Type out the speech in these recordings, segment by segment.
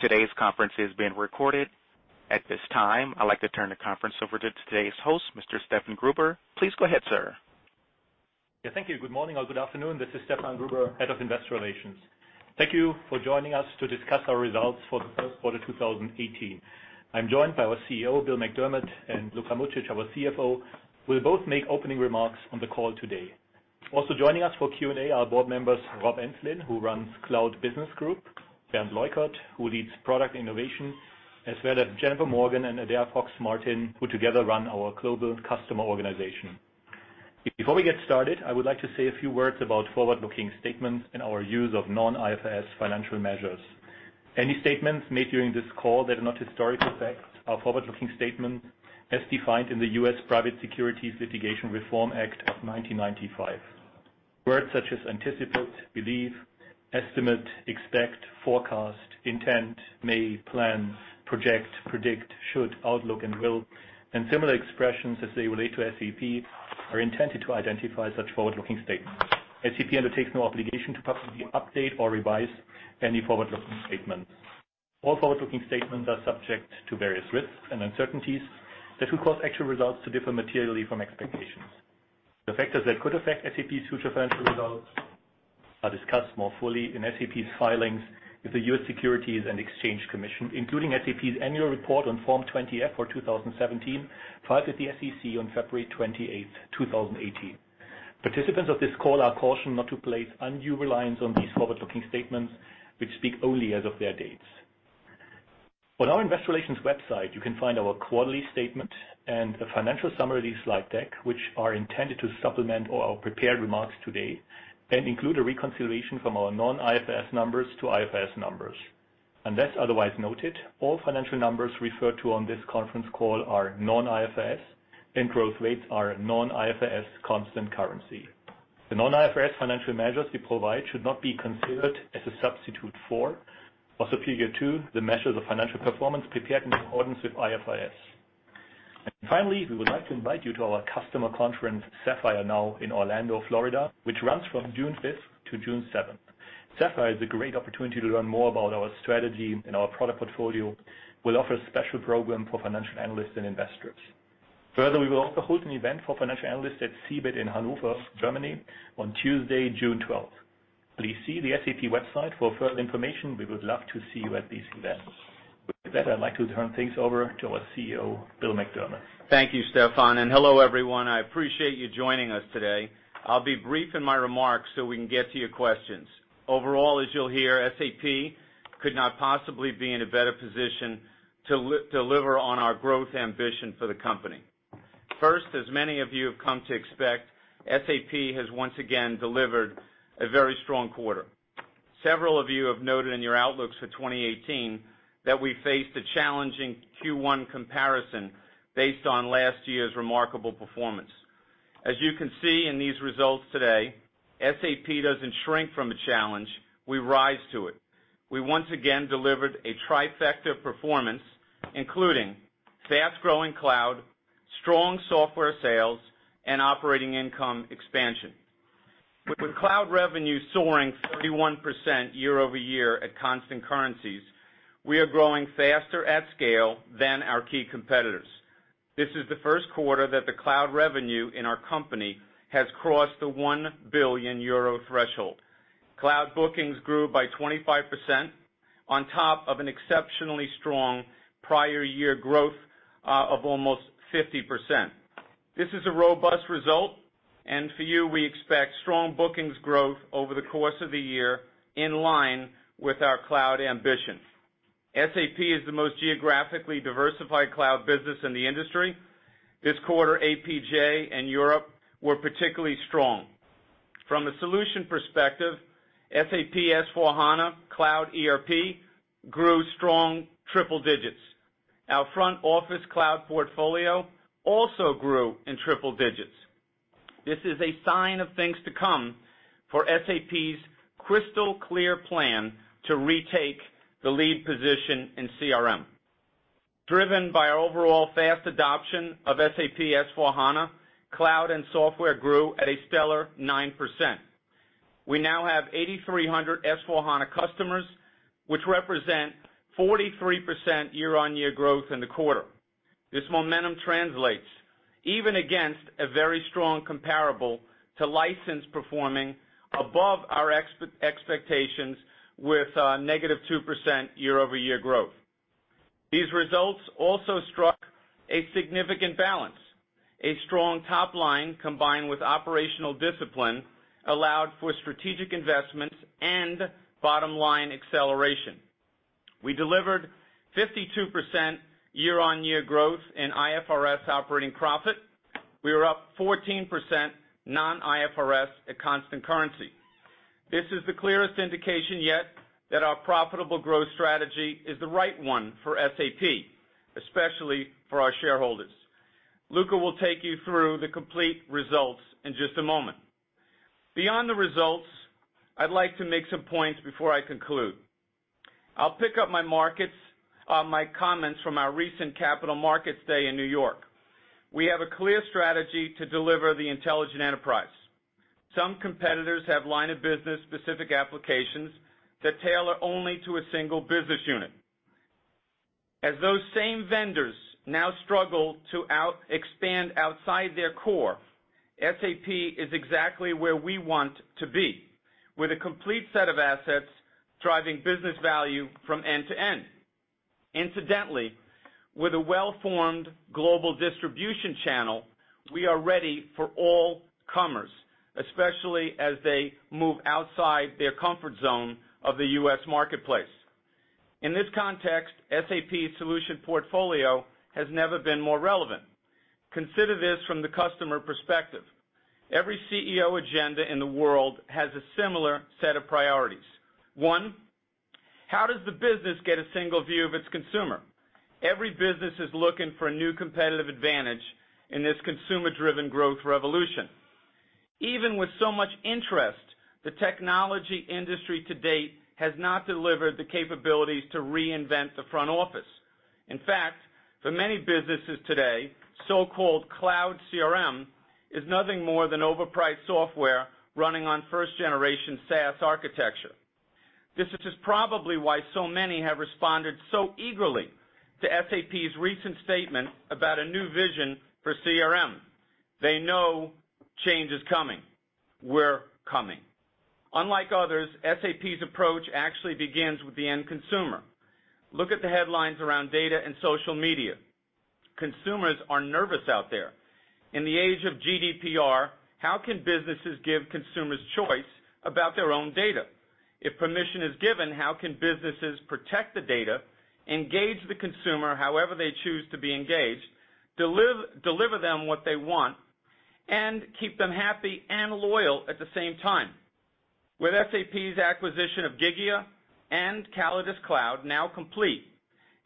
Today's conference is being recorded. At this time, I'd like to turn the conference over to today's host, Mr. Stefan Gruber. Please go ahead, sir. Yeah, thank you. Good morning or good afternoon. This is Stefan Gruber, Head of Investor Relations. Thank you for joining us to discuss our results for the first quarter 2018. I'm joined by our CEO, Bill McDermott, and Luka Mucic, our CFO, who will both make opening remarks on the call today. Also joining us for Q&A are board members, Rob Enslin, who runs Cloud Business Group, Bernd Leukert, who leads Product Innovation, as well as Jennifer Morgan and Adaire Fox-Martin, who together run our global customer organization. Before we get started, I would like to say a few words about forward-looking statements and our use of non-IFRS financial measures. Any statements made during this call that are not historical facts are forward-looking statements as defined in the U.S. Private Securities Litigation Reform Act of 1995. Words such as anticipate, believe, estimate, expect, forecast, intent, may, plans, project, predict, should, outlook, and will, and similar expressions as they relate to SAP, are intended to identify such forward-looking statements. SAP undertakes no obligation to publicly update or revise any forward-looking statements. All forward-looking statements are subject to various risks and uncertainties that could cause actual results to differ materially from expectations. The factors that could affect SAP's future financial results are discussed more fully in SAP's filings with the U.S. Securities and Exchange Commission, including SAP's annual report on Form 20-F for 2017, filed with the SEC on February 28th, 2018. Participants of this call are cautioned not to place undue reliance on these forward-looking statements, which speak only as of their dates. On our Investor Relations website, you can find our quarterly statement and a financial summary slide deck, which are intended to supplement all our prepared remarks today and include a reconciliation from our non-IFRS numbers to IFRS numbers. Unless otherwise noted, all financial numbers referred to on this conference call are non-IFRS, and growth rates are non-IFRS constant currency. The non-IFRS financial measures we provide should not be considered as a substitute for or superior to the measures of financial performance prepared in accordance with IFRS. Finally, we would like to invite you to our customer conference, SAPPHIRE NOW, in Orlando, Florida, which runs from June fifth to June seventh. SAPPHIRE is a great opportunity to learn more about our strategy and our product portfolio. We'll offer a special program for financial analysts and investors. We will also hold an event for financial analysts at CeBIT in Hanover, Germany on Tuesday, June 12th. Please see the SAP website for further information. We would love to see you at these events. With that, I'd like to turn things over to our CEO, Bill McDermott. Thank you, Stefan, hello, everyone. I appreciate you joining us today. I'll be brief in my remarks so we can get to your questions. Overall, as you'll hear, SAP could not possibly be in a better position to deliver on our growth ambition for the company. First, as many of you have come to expect, SAP has once again delivered a very strong quarter. Several of you have noted in your outlooks for 2018 that we face a challenging Q1 comparison based on last year's remarkable performance. As you can see in these results today, SAP doesn't shrink from a challenge, we rise to it. We once again delivered a trifecta of performance, including fast-growing cloud, strong software sales, and operating income expansion. With cloud revenue soaring 41% year-over-year at constant currencies, we are growing faster at scale than our key competitors. This is the first quarter that the cloud revenue in our company has crossed the 1 billion euro threshold. Cloud bookings grew by 25% on top of an exceptionally strong prior year growth of almost 50%. This is a robust result, for you, we expect strong bookings growth over the course of the year in line with our cloud ambition. SAP is the most geographically diversified cloud business in the industry. This quarter, APJ and Europe were particularly strong. From a solution perspective, SAP S/4HANA Cloud ERP grew strong triple digits. Our front office cloud portfolio also grew in triple digits. This is a sign of things to come for SAP's crystal clear plan to retake the lead position in CRM. Driven by our overall fast adoption of SAP S/4HANA, cloud and software grew at a stellar 9%. We now have 8,300 S/4HANA customers, which represent 43% year-on-year growth in the quarter. This momentum translates, even against a very strong comparable to license performing above our expectations with negative 2% year-over-year growth. These results also struck a significant balance. A strong top line combined with operational discipline allowed for strategic investments and bottom-line acceleration. We delivered 52% year-on-year growth in IFRS operating profit. We were up 14% non-IFRS at constant currency. This is the clearest indication yet that our profitable growth strategy is the right one for SAP, especially for our shareholders. Luka will take you through the complete results in just a moment. Beyond the results, I'd like to make some points before I conclude. I'll pick up my comments from our recent Capital Markets Day in New York. We have a clear strategy to deliver the intelligent enterprise. Some competitors have line of business specific applications that tailor only to a single business unit. As those same vendors now struggle to expand outside their core, SAP is exactly where we want to be. With a complete set of assets driving business value from end to end. Incidentally, with a well-formed global distribution channel, we are ready for all comers, especially as they move outside their comfort zone of the U.S. marketplace. In this context, SAP solution portfolio has never been more relevant. Consider this from the customer perspective. Every CEO agenda in the world has a similar set of priorities. One, how does the business get a single view of its consumer? Every business is looking for a new competitive advantage in this consumer-driven growth revolution. Even with so much interest, the technology industry to date has not delivered the capabilities to reinvent the front office. In fact, for many businesses today, so-called cloud CRM is nothing more than overpriced software running on first generation SaaS architecture. This is probably why so many have responded so eagerly to SAP's recent statement about a new vision for CRM. They know change is coming. We're coming. Unlike others, SAP's approach actually begins with the end consumer. Look at the headlines around data and social media. Consumers are nervous out there. In the age of GDPR, how can businesses give consumers choice about their own data? If permission is given, how can businesses protect the data, engage the consumer however they choose to be engaged, deliver them what they want, and keep them happy and loyal at the same time? With SAP's acquisition of Gigya and CallidusCloud now complete,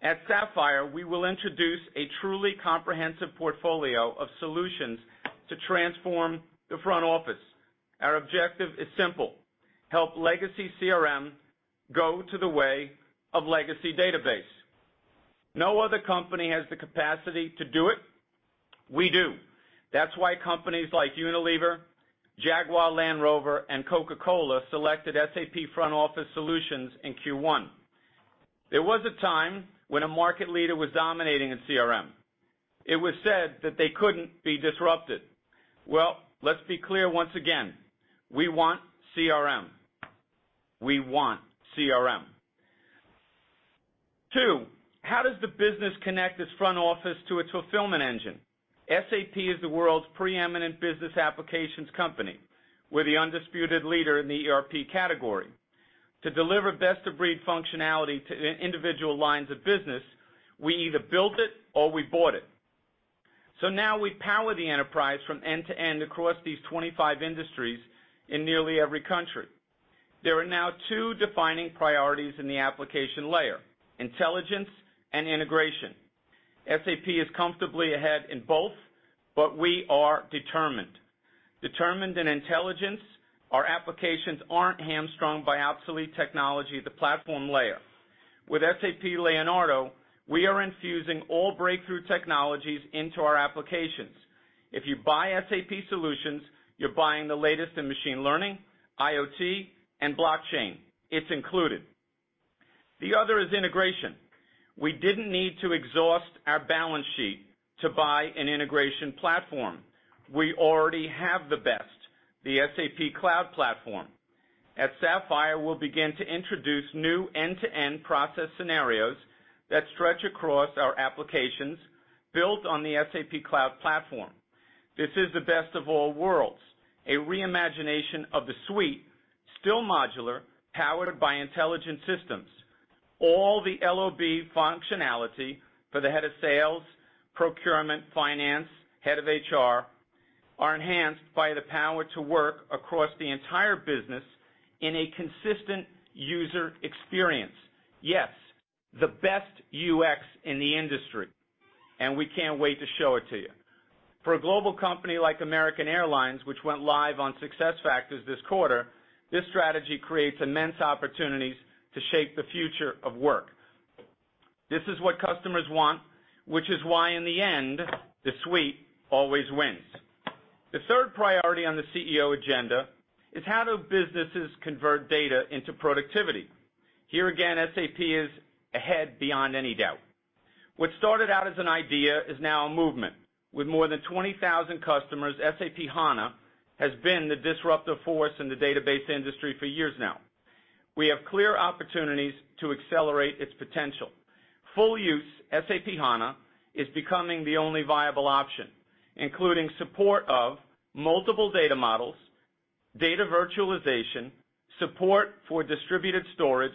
at Sapphire we will introduce a truly comprehensive portfolio of solutions to transform the front office. Our objective is simple: help legacy CRM go to the way of legacy database. No other company has the capacity to do it. We do. That's why companies like Unilever, Jaguar Land Rover, and Coca-Cola selected SAP front office solutions in Q1. There was a time when a market leader was dominating in CRM. It was said that they couldn't be disrupted. Well, let's be clear once again. We want CRM. We want CRM. Two, how does the business connect its front office to a fulfillment engine? SAP is the world's preeminent business applications company. We're the undisputed leader in the ERP category. To deliver best-of-breed functionality to individual lines of business, we either built it or we bought it. Now we power the enterprise from end to end across these 25 industries in nearly every country. There are now two defining priorities in the application layer, intelligence and integration. SAP is comfortably ahead in both. We are determined. Determined in intelligence, our applications aren't hamstrung by obsolete technology at the platform layer. With SAP Leonardo, we are infusing all breakthrough technologies into our applications. If you buy SAP solutions, you're buying the latest in machine learning, IoT, and blockchain. It's included. The other is integration. We didn't need to exhaust our balance sheet to buy an integration platform. We already have the best, the SAP Cloud Platform. At Sapphire, we'll begin to introduce new end-to-end process scenarios that stretch across our applications built on the SAP Cloud Platform. This is the best of all worlds, a re-imagination of the suite, still modular, powered by intelligent systems. All the LOB functionality for the head of sales, procurement, finance, head of HR, are enhanced by the power to work across the entire business in a consistent user experience. Yes, the best UX in the industry, we can't wait to show it to you. For a global company like American Airlines, which went live on SuccessFactors this quarter, this strategy creates immense opportunities to shape the future of work. This is what customers want, which is why in the end, the suite always wins. The third priority on the CEO agenda is how do businesses convert data into productivity? Here again, SAP is ahead beyond any doubt. What started out as an idea is now a movement. With more than 20,000 customers, SAP HANA has been the disruptive force in the database industry for years now. We have clear opportunities to accelerate its potential. Full-use SAP HANA is becoming the only viable option, including support of multiple data models, data virtualization, support for distributed storage,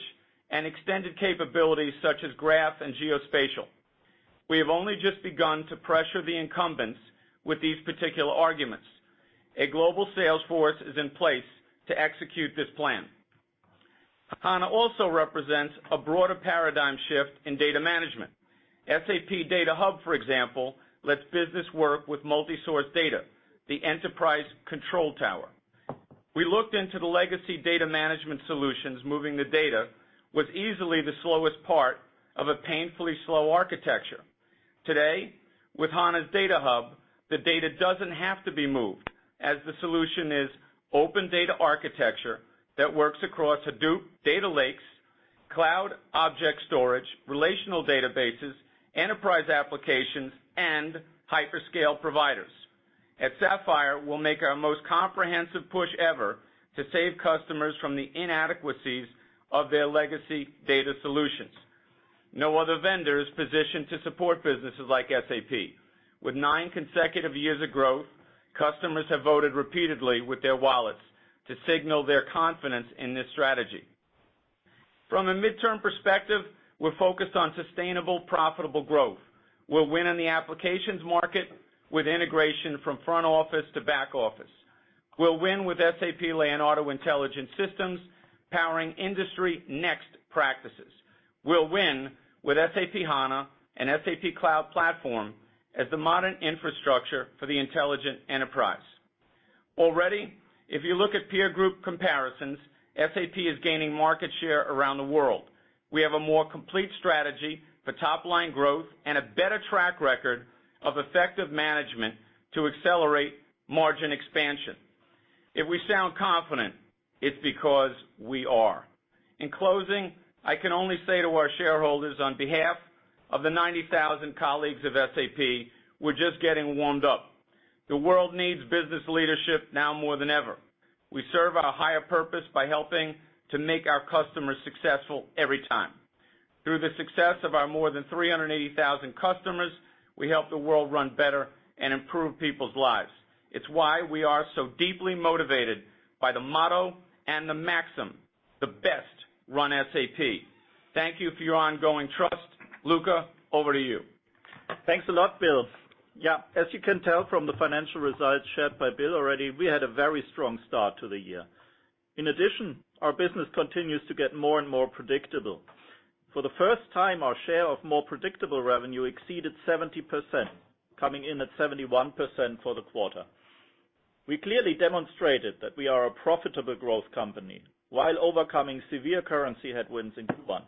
and extended capabilities such as graph and geospatial. We have only just begun to pressure the incumbents with these particular arguments. A global sales force is in place to execute this plan. HANA also represents a broader paradigm shift in data management. SAP Data Hub, for example, lets business work with multi-source data, the enterprise control tower. We looked into the legacy data management solutions. Moving the data was easily the slowest part of a painfully slow architecture. Today, with HANA's data hub, the data doesn't have to be moved, as the solution is open data architecture that works across Hadoop, data lakes, cloud object storage, relational databases, enterprise applications, and hyperscale providers. At SAPPHIRE NOW, we'll make our most comprehensive push ever to save customers from the inadequacies of their legacy data solutions. No other vendor is positioned to support businesses like SAP. With nine consecutive years of growth, customers have voted repeatedly with their wallets to signal their confidence in this strategy. From a midterm perspective, we're focused on sustainable, profitable growth. We'll win in the applications market with integration from front office to back office. We'll win with SAP Leonardo intelligent systems powering industry next practices. We'll win with SAP HANA and SAP Cloud Platform as the modern infrastructure for the intelligent enterprise. Already, if you look at peer group comparisons, SAP is gaining market share around the world. We have a more complete strategy for top-line growth and a better track record of effective management to accelerate margin expansion. If we sound confident, it's because we are. In closing, I can only say to our shareholders, on behalf of the 90,000 colleagues of SAP, we're just getting warmed up. The world needs business leadership now more than ever. We serve our higher purpose by helping to make our customers successful every time. Through the success of our more than 380,000 customers, we help the world run better and improve people's lives. It's why we are so deeply motivated by the motto and the maxim, "The best run SAP." Thank you for your ongoing trust. Luka, over to you. Thanks a lot, Bill. As you can tell from the financial results shared by Bill already, we had a very strong start to the year. In addition, our business continues to get more and more predictable. For the first time, our share of more predictable revenue exceeded 70%, coming in at 71% for the quarter. We clearly demonstrated that we are a profitable growth company while overcoming severe currency headwinds in Q1.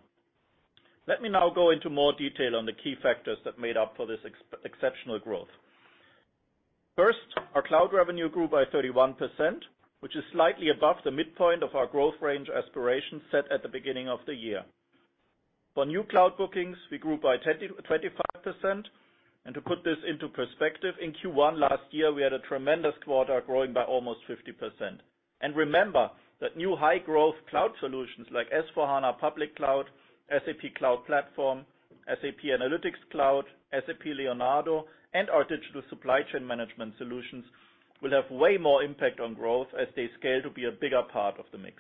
Let me now go into more detail on the key factors that made up for this exceptional growth. First, our cloud revenue grew by 31%, which is slightly above the midpoint of our growth range aspiration set at the beginning of the year. For new cloud bookings, we grew by 25%. To put this into perspective, in Q1 last year, we had a tremendous quarter growing by almost 50%. Remember that new high-growth cloud solutions like S/4HANA Public Cloud, SAP Cloud Platform, SAP Analytics Cloud, SAP Leonardo, and our digital supply chain management solutions will have way more impact on growth as they scale to be a bigger part of the mix.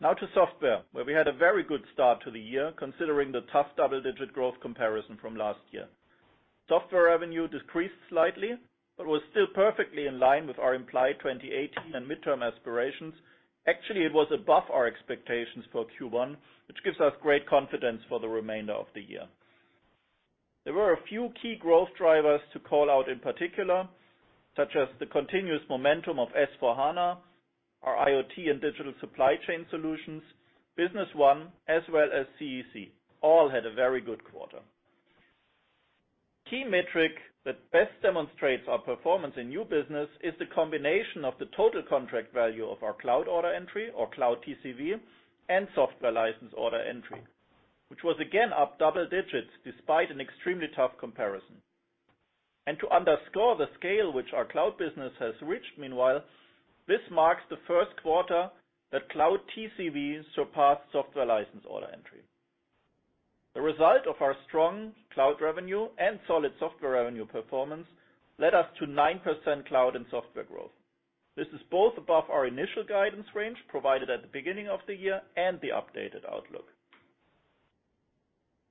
Now to software, where we had a very good start to the year, considering the tough double-digit growth comparison from last year. Software revenue decreased slightly, but was still perfectly in line with our implied 2018 and midterm aspirations. Actually, it was above our expectations for Q1, which gives us great confidence for the remainder of the year. There were a few key growth drivers to call out in particular, such as the continuous momentum of S/4HANA, our IoT and digital supply chain solutions, Business One, as well as CEC. All had a very good quarter. Key metric that best demonstrates our performance in new business is the combination of the total contract value of our cloud order entry, or cloud TCV, and software license order entry, which was again up double digits despite an extremely tough comparison. To underscore the scale which our cloud business has reached, meanwhile, this marks the first quarter that cloud TCV surpassed software license order entry. The result of our strong cloud revenue and solid software revenue performance led us to 9% cloud and software growth. This is both above our initial guidance range provided at the beginning of the year and the updated outlook.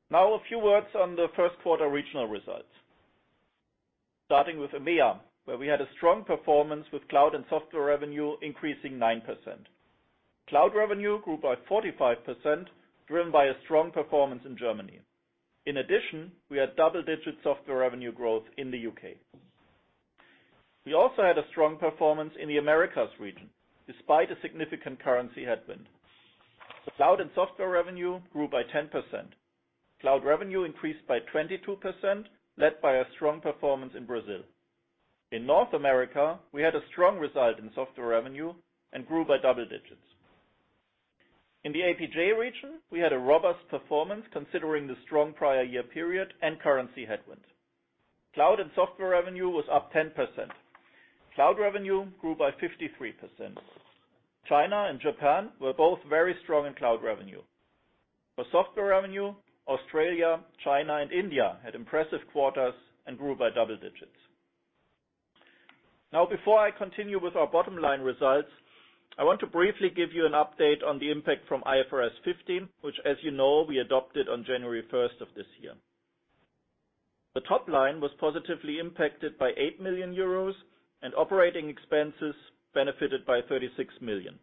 Now, a few words on the first quarter regional results. Starting with EMEA, where we had a strong performance with cloud and software revenue increasing 9%. Cloud revenue grew by 45%, driven by a strong performance in Germany. In addition, we had double-digit software revenue growth in the U.K. We also had a strong performance in the Americas region, despite a significant currency headwind. The cloud and software revenue grew by 10%. Cloud revenue increased by 22%, led by a strong performance in Brazil. In North America, we had a strong result in software revenue and grew by double digits. In the APJ region, we had a robust performance considering the strong prior year period and currency headwind. Cloud and software revenue was up 10%. Cloud revenue grew by 53%. China and Japan were both very strong in cloud revenue. For software revenue, Australia, China, and India had impressive quarters and grew by double digits. Before I continue with our bottom line results, I want to briefly give you an update on the impact from IFRS 15, which, as you know, we adopted on January 1st of this year. The top line was positively impacted by 8 million euros and operating expenses benefited by 36 million.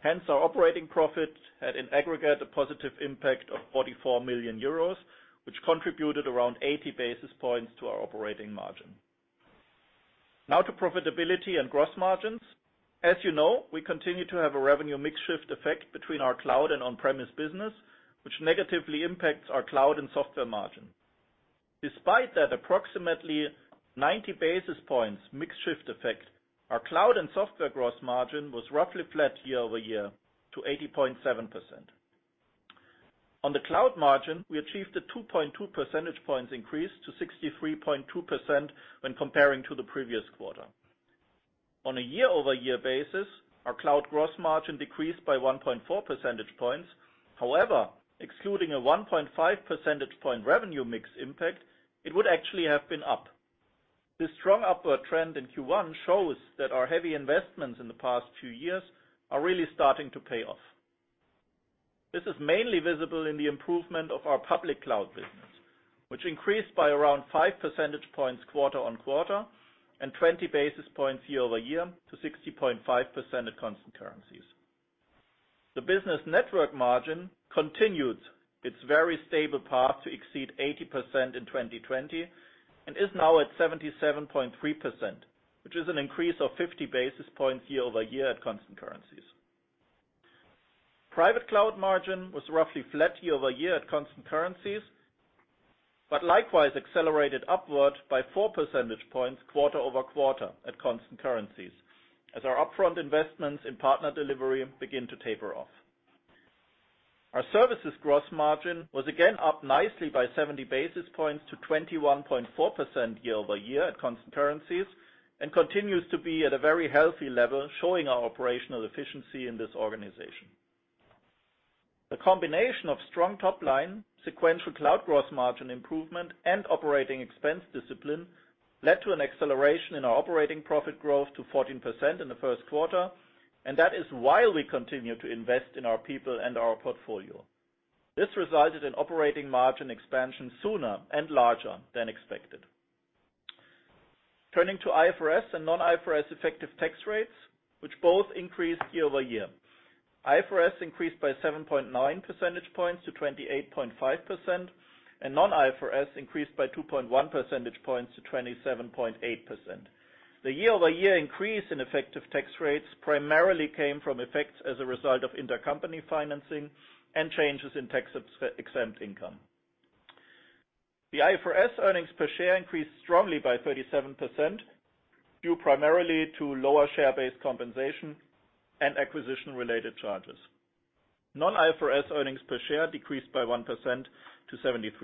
Hence, our operating profit had, in aggregate, a positive impact of 44 million euros, which contributed around 80 basis points to our operating margin. To profitability and gross margins. As you know, we continue to have a revenue mix shift effect between our cloud and on-premise business, which negatively impacts our cloud and software margin. Despite that approximately 90 basis points mix shift effect, our cloud and software gross margin was roughly flat year-over-year to 80.7%. On the cloud margin, we achieved a 2.2 percentage points increase to 63.2% when comparing to the previous quarter. On a year-over-year basis, our cloud gross margin decreased by 1.4 percentage points. However, excluding a 1.5 percentage point revenue mix impact, it would actually have been up. This strong upward trend in Q1 shows that our heavy investments in the past few years are really starting to pay off. This is mainly visible in the improvement of our public cloud business, which increased by around five percentage points quarter-on-quarter, and 20 basis points year-over-year to 60.5% at constant currencies. The business network margin continued its very stable path to exceed 80% in 2020, and is now at 77.3%, which is an increase of 50 basis points year-over-year at constant currencies. Private cloud margin was roughly flat year-over-year at constant currencies, but likewise accelerated upward by four percentage points quarter-over-quarter at constant currencies as our upfront investments in partner delivery begin to taper off. Our services gross margin was again up nicely by 70 basis points to 21.4% year-over-year at constant currencies, and continues to be at a very healthy level, showing our operational efficiency in this organization. The combination of strong top line, sequential cloud gross margin improvement, and operating expense discipline led to an acceleration in our operating profit growth to 14% in the first quarter, and that is while we continue to invest in our people and our portfolio. This resulted in operating margin expansion sooner and larger than expected. Turning to IFRS and non-IFRS effective tax rates, which both increased year-over-year. IFRS increased by 7.9 percentage points to 28.5%, and non-IFRS increased by 2.1 percentage points to 27.8%. The year-over-year increase in effective tax rates primarily came from effects as a result of intercompany financing and changes in tax-exempt income. The IFRS earnings per share increased strongly by 37%, due primarily to lower share-based compensation and acquisition related charges. Non-IFRS earnings per share decreased by 1% to 0.73.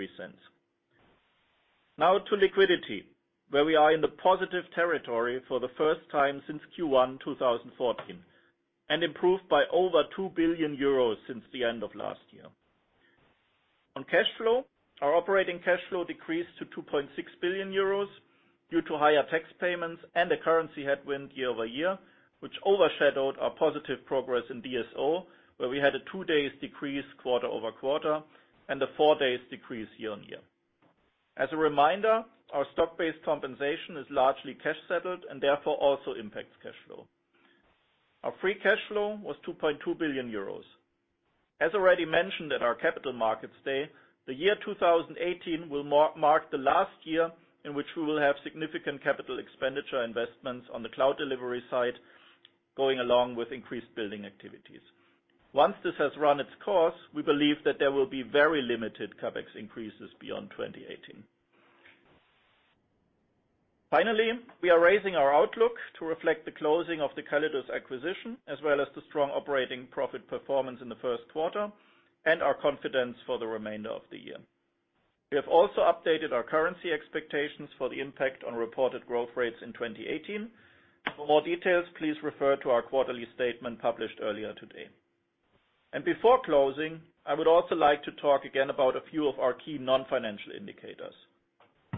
To liquidity, where we are in the positive territory for the first time since Q1 2014, and improved by over 2 billion euros since the end of last year. On cash flow, our operating cash flow decreased to 2.6 billion euros due to higher tax payments and a currency headwind year-over-year, which overshadowed our positive progress in DSO, where we had a two days decrease quarter-over-quarter, and a four days decrease year-on-year. As a reminder, our stock-based compensation is largely cash settled and therefore also impacts cash flow. Our free cash flow was €2.2 billion. As already mentioned at our Capital Markets Day, the year 2018 will mark the last year in which we will have significant capital expenditure investments on the cloud delivery side, going along with increased building activities. Once this has run its course, we believe that there will be very limited CapEx increases beyond 2018. Finally, we are raising our outlook to reflect the closing of the Callidus acquisition, as well as the strong operating profit performance in the first quarter, and our confidence for the remainder of the year. We have also updated our currency expectations for the impact on reported growth rates in 2018. For more details, please refer to our quarterly statement published earlier today. Before closing, I would also like to talk again about a few of our key non-financial indicators.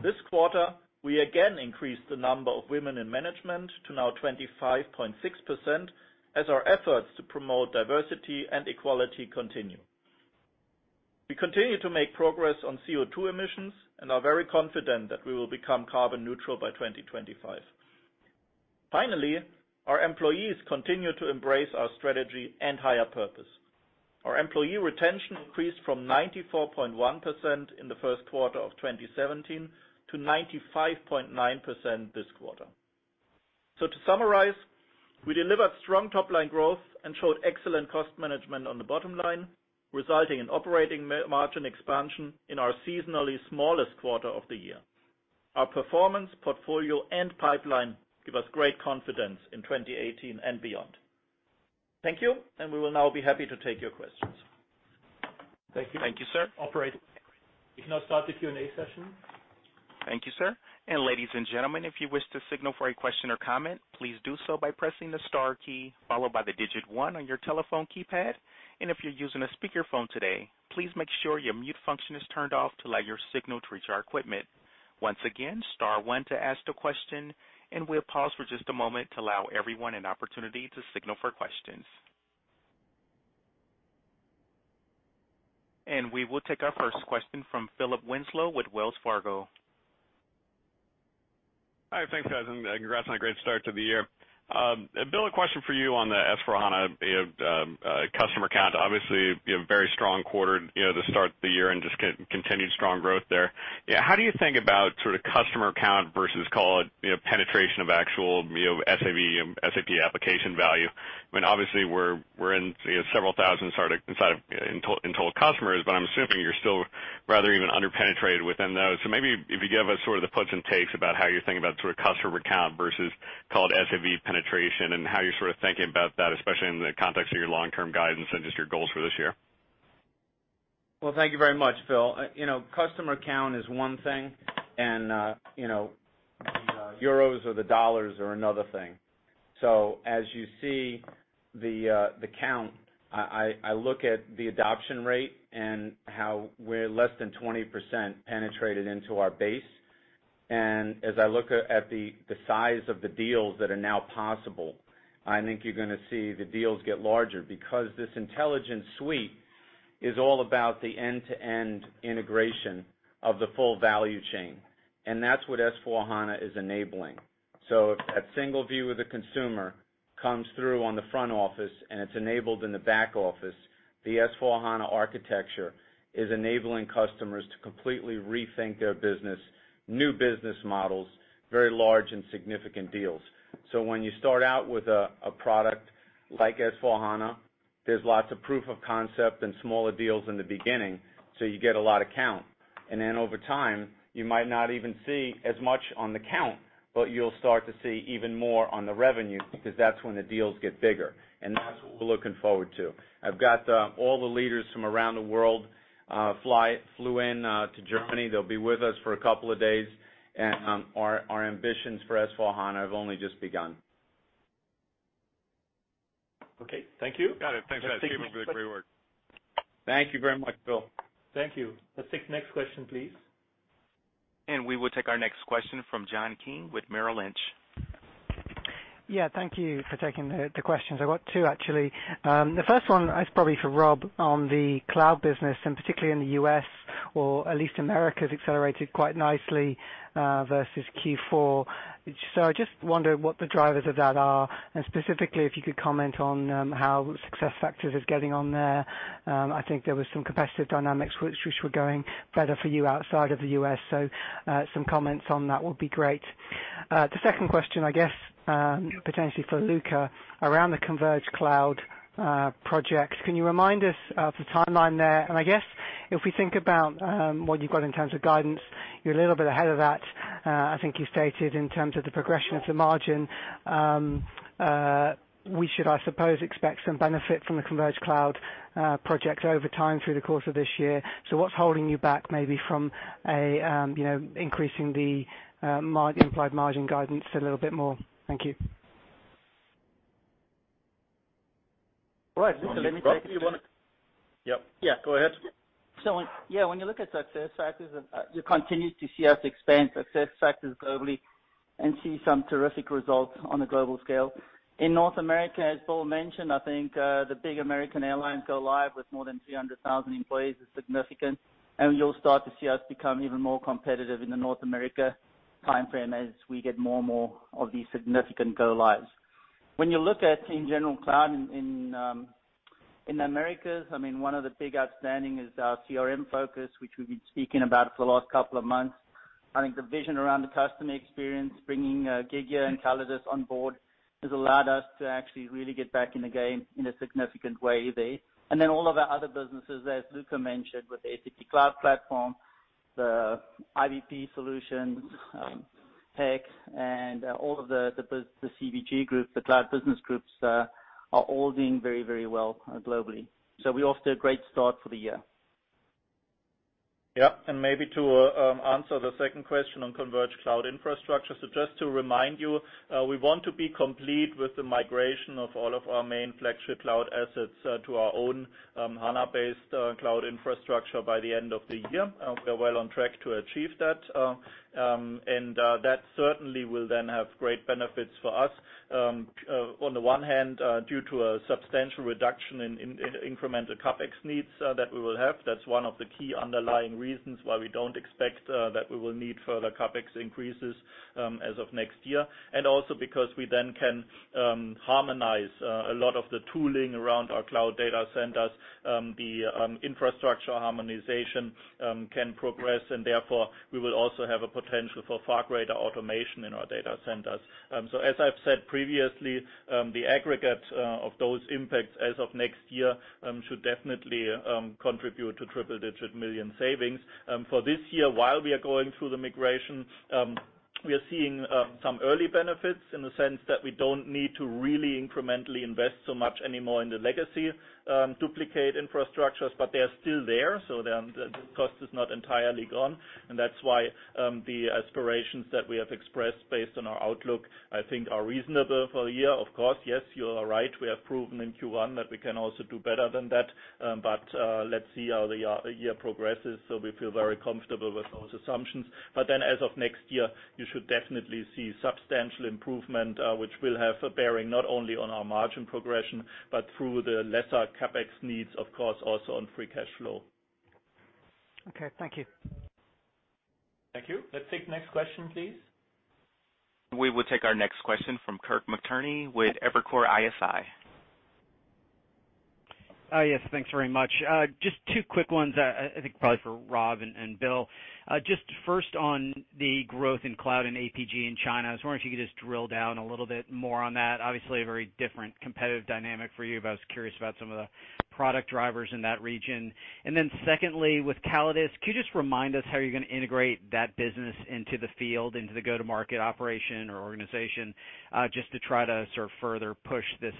This quarter, we again increased the number of women in management to now 25.6%, as our efforts to promote diversity and equality continue. We continue to make progress on CO2 emissions and are very confident that we will become carbon neutral by 2025. Finally, our employees continue to embrace our strategy and higher purpose. Our employee retention increased from 94.1% in the first quarter of 2017 to 95.9% this quarter. To summarize, we delivered strong top-line growth and showed excellent cost management on the bottom line, resulting in operating margin expansion in our seasonally smallest quarter of the year. Our performance portfolio and pipeline give us great confidence in 2018 and beyond. Thank you, and we will now be happy to take your questions. Thank you. Thank you, sir. Operator, you can now start the Q&A session. Thank you, sir. Ladies and gentlemen, if you wish to signal for a question or comment, please do so by pressing the star key followed by the digit one on your telephone keypad. If you're using a speakerphone today, please make sure your mute function is turned off to allow your signal to reach our equipment. Once again, star one to ask the question, we'll pause for just a moment to allow everyone an opportunity to signal for questions. We will take our first question from Philip Winslow with Wells Fargo. Hi, thanks guys. Congrats on a great start to the year. Bill, a question for you on the S/4HANA customer count. Obviously, a very strong quarter to start the year and just continued strong growth there. How do you think about customer count versus penetration of actual SAV, SAP Application Value? Obviously, we're in several thousand inside in total customers, but I'm assuming you're still rather even under-penetrated within those. Maybe if you give us sort of the puts and takes about how you think about customer count versus SAV penetration and how you're thinking about that, especially in the context of your long-term guidance and just your goals for this year. Well, thank you very much, Phil. Customer count is one thing, the euros or the dollars are another thing. As you see the count, I look at the adoption rate and how we're less than 20% penetrated into our base. As I look at the size of the deals that are now possible, I think you're going to see the deals get larger because this intelligence suite is all about the end-to-end integration of the full value chain. That's what S/4HANA is enabling. If that single view of the consumer comes through on the front office and it's enabled in the back office, the S/4HANA architecture is enabling customers to completely rethink their business, new business models, very large and significant deals. When you start out with a product like S/4HANA, there's lots of proof of concept and smaller deals in the beginning, so you get a lot of count. Over time, you might not even see as much on the count, but you'll start to see even more on the revenue because that's when the deals get bigger. That's what we're looking forward to. I've got all the leaders from around the world flew in to Germany. They'll be with us for a couple of days. Our ambitions for S/4HANA have only just begun. Okay. Thank you. Got it. Thanks, guys. Keep up the great work. Thank you very much, Bill. Thank you. Let's take next question, please. We will take our next question from John Keane with Merrill Lynch. Yeah. Thank you for taking the questions. I got two, actually. The first one is probably for Rob on the cloud business, and particularly in the U.S. or at least Americas accelerated quite nicely, versus Q4. I just wonder what the drivers of that are, and specifically, if you could comment on how SuccessFactors is getting on there. I think there was some competitive dynamics which were going better for you outside of the U.S. Some comments on that would be great. The second question, I guess, potentially for Luka, around the Converged Cloud projects. Can you remind us of the timeline there? I guess if we think about what you've got in terms of guidance, you're a little bit ahead of that. I think you stated in terms of the progression of the margin. We should, I suppose, expect some benefit from the Converged Cloud projects over time through the course of this year. What's holding you back maybe from increasing the implied margin guidance a little bit more? Thank you. All right, Luka. Rob, do you want it? Yep. Yeah, go ahead. Yeah, when you look at SuccessFactors, you continue to see us expand SuccessFactors globally and see some terrific results on a global scale. In North America, as Bill mentioned, I think the big American Airlines go live with more than 300,000 employees is significant, and you'll start to see us become even more competitive in the North America timeframe as we get more and more of these significant go lives. When you look at, in general, cloud in Americas, one of the big outstanding is our CRM focus, which we've been speaking about for the last couple of months. I think the vision around the customer experience, bringing Gigya and Callidus on board has allowed us to actually really get back in the game in a significant way there. All of our other businesses, as Luka mentioned, with the SAP Cloud Platform, the IBP solutions, PEC, and all of the CBG group, the Cloud Business Group, are all doing very well globally. We're off to a great start for the year. Maybe to answer the second question on Converged Cloud infrastructure. Just to remind you, we want to be complete with the migration of all of our main flagship cloud assets to our own HANA-based cloud infrastructure by the end of the year. We're well on track to achieve that. That certainly will then have great benefits for us. On the one hand, due to a substantial reduction in incremental CapEx needs that we will have. That's one of the key underlying reasons why we don't expect that we will need further CapEx increases as of next year. Also because we then can harmonize a lot of the tooling around our cloud data centers. The infrastructure harmonization can progress, and therefore we will also have a potential for far greater automation in our data centers. As I've said previously, the aggregate of those impacts as of next year should definitely contribute to triple-digit million EUR savings. For this year, while we are going through the migration, we are seeing some early benefits in the sense that we don't need to really incrementally invest so much anymore in the legacy duplicate infrastructures, but they are still there. The cost is not entirely gone. That's why the aspirations that we have expressed based on our outlook, I think are reasonable for the year. Of course, yes, you are right. We have proven in Q1 that we can also do better than that. Let's see how the year progresses. We feel very comfortable with those assumptions. As of next year, you should definitely see substantial improvement, which will have a bearing not only on our margin progression, but through the lesser CapEx needs, of course, also on free cash flow. Okay. Thank you. Thank you. Let's take the next question, please. We will take our next question from Kirk Materne with Evercore ISI. Thanks very much. Just two quick ones, I think probably for Rob and Bill. Just first on the growth in cloud and APJ in China. I was wondering if you could just drill down a little bit more on that. Obviously, a very different competitive dynamic for you, but I was curious about some of the product drivers in that region. Secondly, with Callidus, could you just remind us how you're going to integrate that business into the field, into the go-to-market operation or organization, just to try to sort of further push this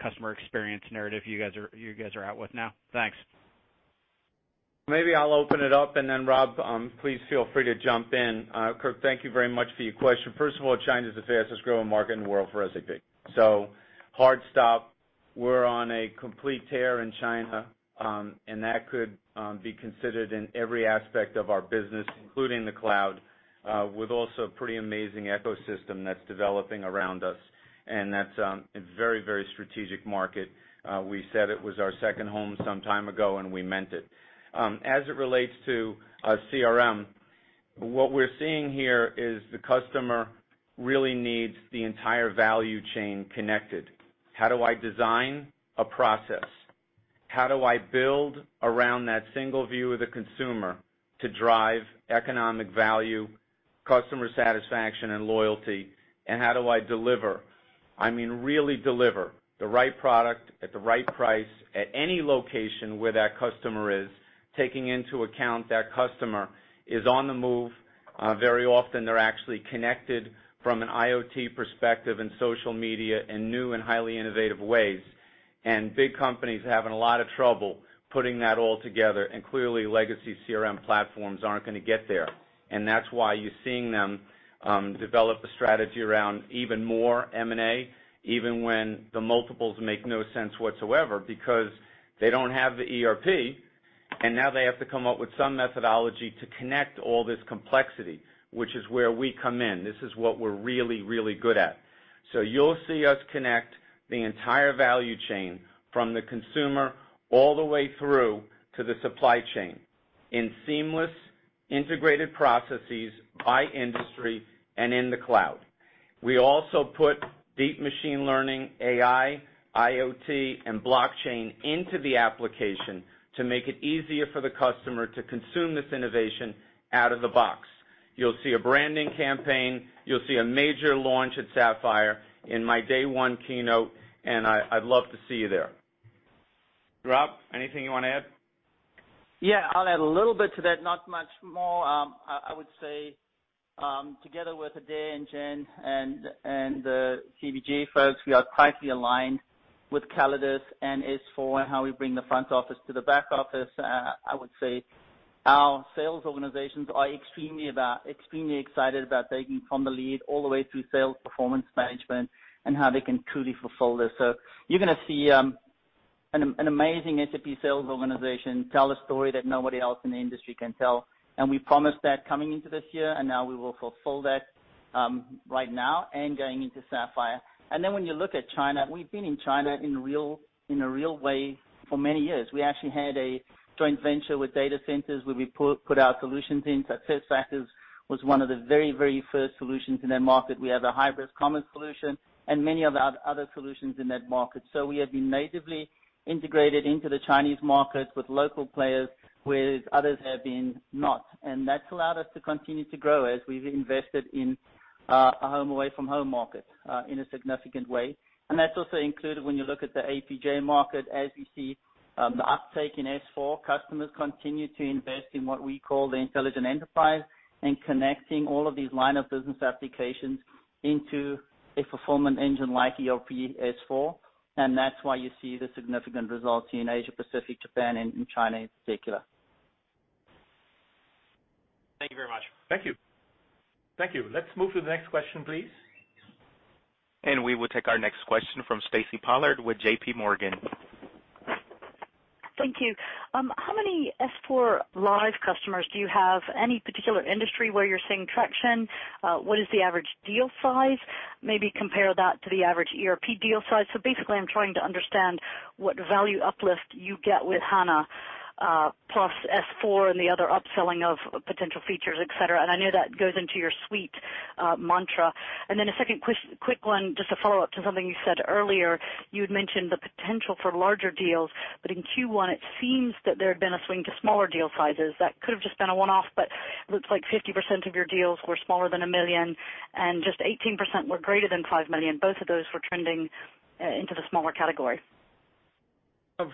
customer experience narrative you guys are out with now? Thanks. Maybe I'll open it up, Rob, please feel free to jump in. Kirk, thank you very much for your question. First of all, China's the fastest-growing market in the world for SAP. Hard stop. We're on a complete tear in China, and that could be considered in every aspect of our business, including the cloud, with also a pretty amazing ecosystem that's developing around us. That's a very strategic market. We said it was our second home some time ago, and we meant it. As it relates to CRM, what we're seeing here is the customer really needs the entire value chain connected. How do I design a process? How do I build around that single view of the consumer to drive economic value, customer satisfaction, and loyalty? How do I deliver, I mean, really deliver the right product at the right price at any location where that customer is, taking into account that customer is on the move. Very often they're actually connected from an IoT perspective and social media in new and highly innovative ways. Big companies are having a lot of trouble putting that all together, and clearly legacy CRM platforms aren't going to get there. That's why you're seeing them develop a strategy around even more M&A, even when the multiples make no sense whatsoever, because they don't have the ERP, and now they have to come up with some methodology to connect all this complexity, which is where we come in. This is what we're really good at. You'll see us connect the entire value chain from the consumer all the way through to the supply chain in seamless, integrated processes by industry and in the cloud. We also put deep machine learning, AI, IoT, and blockchain into the application to make it easier for the customer to consume this innovation out of the box. You'll see a branding campaign. You'll see a major launch at SAP Sapphire in my day one keynote, and I'd love to see you there. Rob, anything you want to add? Yeah, I'll add a little bit to that, not much more. I would say together with Adaire and Jennifer and the CBG folks, we are tightly aligned with Callidus and S/4 and how we bring the front office to the back office. I would say our sales organizations are extremely excited about taking from the lead all the way through sales performance management and how they can truly fulfill this. You're going to see an amazing SAP sales organization tell a story that nobody else in the industry can tell, and we promised that coming into this year, and now we will fulfill that right now and going into SAP Sapphire. When you look at China, we've been in China in a real way for many years. We actually had a joint venture with data centers where we put our solutions in. SuccessFactors was one of the very first solutions in that market. We have a Hybris Commerce solution and many of our other solutions in that market. We have been natively integrated into the Chinese market with local players where others have been not. That's allowed us to continue to grow as we've invested in a home away from home market in a significant way. That's also included when you look at the APJ market, as you see the uptake in S/4, customers continue to invest in what we call the intelligent enterprise and connecting all of these line of business applications into a performance engine like ERP S/4. That's why you see the significant results in Asia Pacific, Japan, and China in particular. Thank you very much. Thank you. Thank you. Let's move to the next question, please. We will take our next question from Stacy Pollard with J.P. Morgan. Thank you. How many S/4 live customers do you have? Any particular industry where you're seeing traction? What is the average deal size? Maybe compare that to the average ERP deal size. Basically, I'm trying to understand what value uplift you get with HANA plus S/4 and the other upselling of potential features, et cetera. I know that goes into your suite mantra. Then a second quick one, just a follow-up to something you said earlier. You had mentioned the potential for larger deals, but in Q1, it seems that there had been a swing to smaller deal sizes. That could have just been a one-off, but it looks like 50% of your deals were smaller than 1 million, and just 18% were greater than 5 million. Both of those were trending into the smaller category.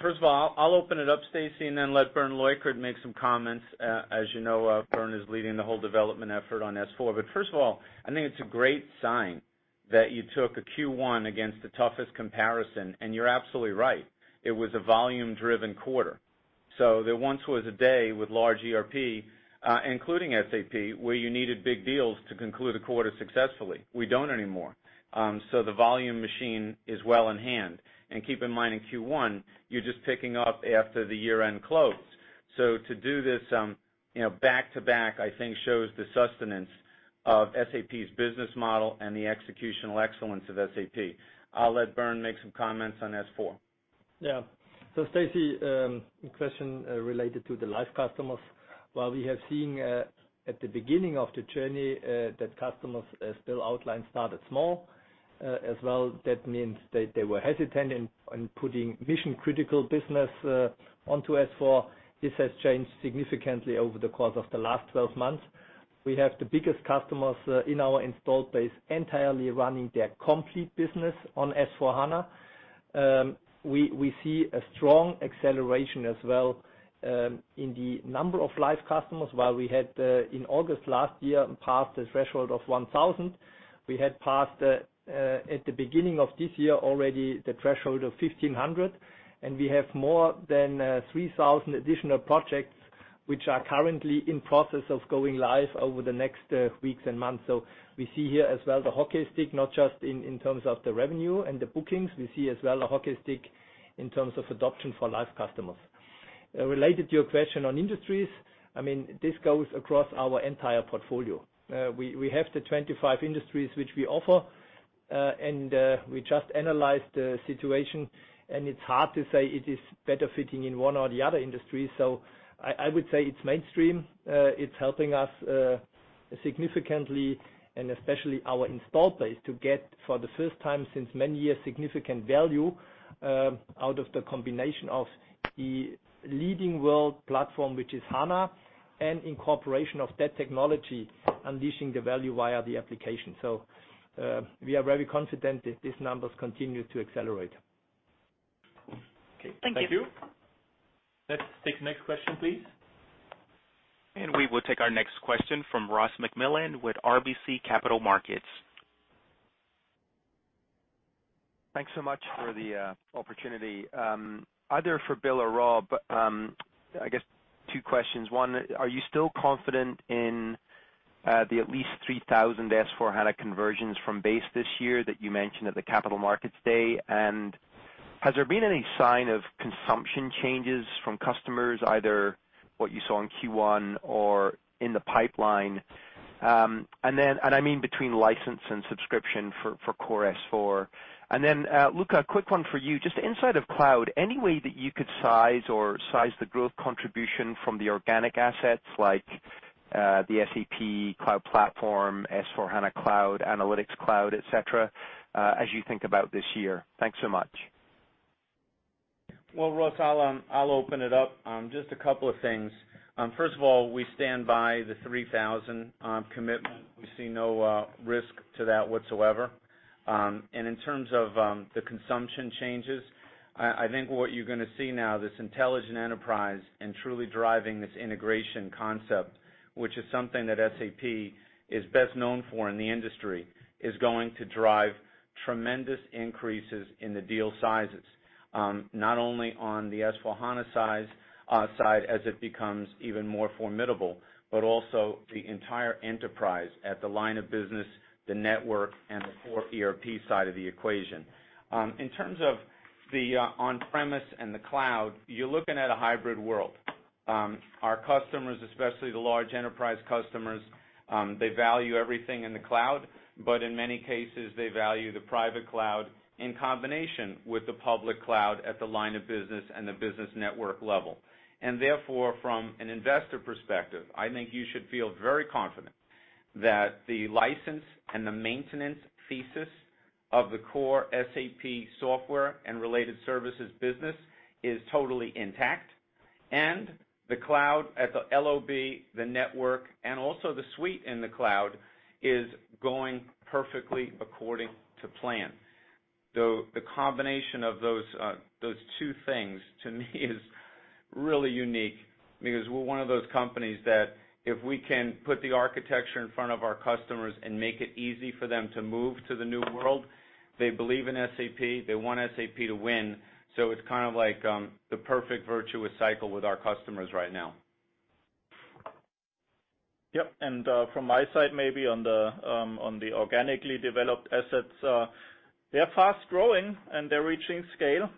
First of all, I'll open it up, Stacy, then let Bernd Leukert make some comments. As you know, Bernd is leading the whole development effort on S/4. First of all, I think it's a great sign that you took a Q1 against the toughest comparison, and you're absolutely right. It was a volume-driven quarter. There once was a day with large ERP, including SAP, where you needed big deals to conclude a quarter successfully. We don't anymore. The volume machine is well in hand. Keep in mind, in Q1, you're just picking up after the year-end close. To do this back to back, I think shows the sustenance of SAP's business model and the executional excellence of SAP. I'll let Bernd make some comments on S/4. Stacy, a question related to the live customers. While we have seen at the beginning of the journey that customers as Bill outlined, started small, as well, that means they were hesitant in putting mission-critical business onto S/4. This has changed significantly over the course of the last 12 months. We have the biggest customers in our installed base entirely running their complete business on SAP S/4HANA. We see a strong acceleration as well in the number of live customers, while we had in August last year passed the threshold of 1,000. We had passed at the beginning of this year already the threshold of 1,500, and we have more than 3,000 additional projects, which are currently in process of going live over the next weeks and months. We see here as well, the hockey stick, not just in terms of the revenue and the bookings. We see as well, a hockey stick in terms of adoption for live customers. Related to your question on industries, this goes across our entire portfolio. We have the 25 industries which we offer. We just analyzed the situation, and it's hard to say it is better fitting in one or the other industry. I would say it's mainstream. It's helping us significantly and especially our installed base to get, for the first time since many years, significant value out of the combination of the leading world platform, which is HANA, and incorporation of that technology, unleashing the value via the application. We are very confident that these numbers continue to accelerate. Okay. Thank you. Thank you. Let's take the next question, please. We will take our next question from Ross MacMillan with RBC Capital Markets. Thanks so much for the opportunity. Either for Bill or Rob, I guess two questions. One, are you still confident in the at least 3,000 S/4HANA conversions from base this year that you mentioned at the Capital Markets Day? Has there been any sign of consumption changes from customers, either what you saw in Q1 or in the pipeline? I mean between license and subscription for core S/4. Then, Luka, a quick one for you, just inside of cloud, any way that you could size or size the growth contribution from the organic assets like the SAP Cloud Platform, S/4HANA Cloud, SAP Analytics Cloud, et cetera, as you think about this year? Thanks so much. Well, Ross, I'll open it up. Just a couple of things. First of all, we stand by the 3,000 commitment. We see no risk to that whatsoever. In terms of the consumption changes, I think what you're going to see now, this intelligent enterprise and truly driving this integration concept, which is something that SAP is best known for in the industry, is going to drive tremendous increases in the deal sizes. Not only on the S/4HANA side as it becomes even more formidable, but also the entire enterprise at the line of business, the network, and the core ERP side of the equation. In terms of the on-premise and the cloud, you're looking at a hybrid world. Our customers, especially the large enterprise customers, they value everything in the cloud, but in many cases they value the private cloud in combination with the public cloud at the line of business and the business network level. Therefore, from an investor perspective, I think you should feel very confident that the license and the maintenance thesis of the core SAP software and related services business is totally intact. The cloud at the LOB, the network, and also the suite in the cloud is going perfectly according to plan. Though the combination of those two things, to me, is really unique because we're one of those companies that if we can put the architecture in front of our customers and make it easy for them to move to the new world, they believe in SAP. They want SAP to win. It's like the perfect virtuous cycle with our customers right now. Yep. From my side, maybe on the organically developed assets, they are fast-growing, and they are reaching scale.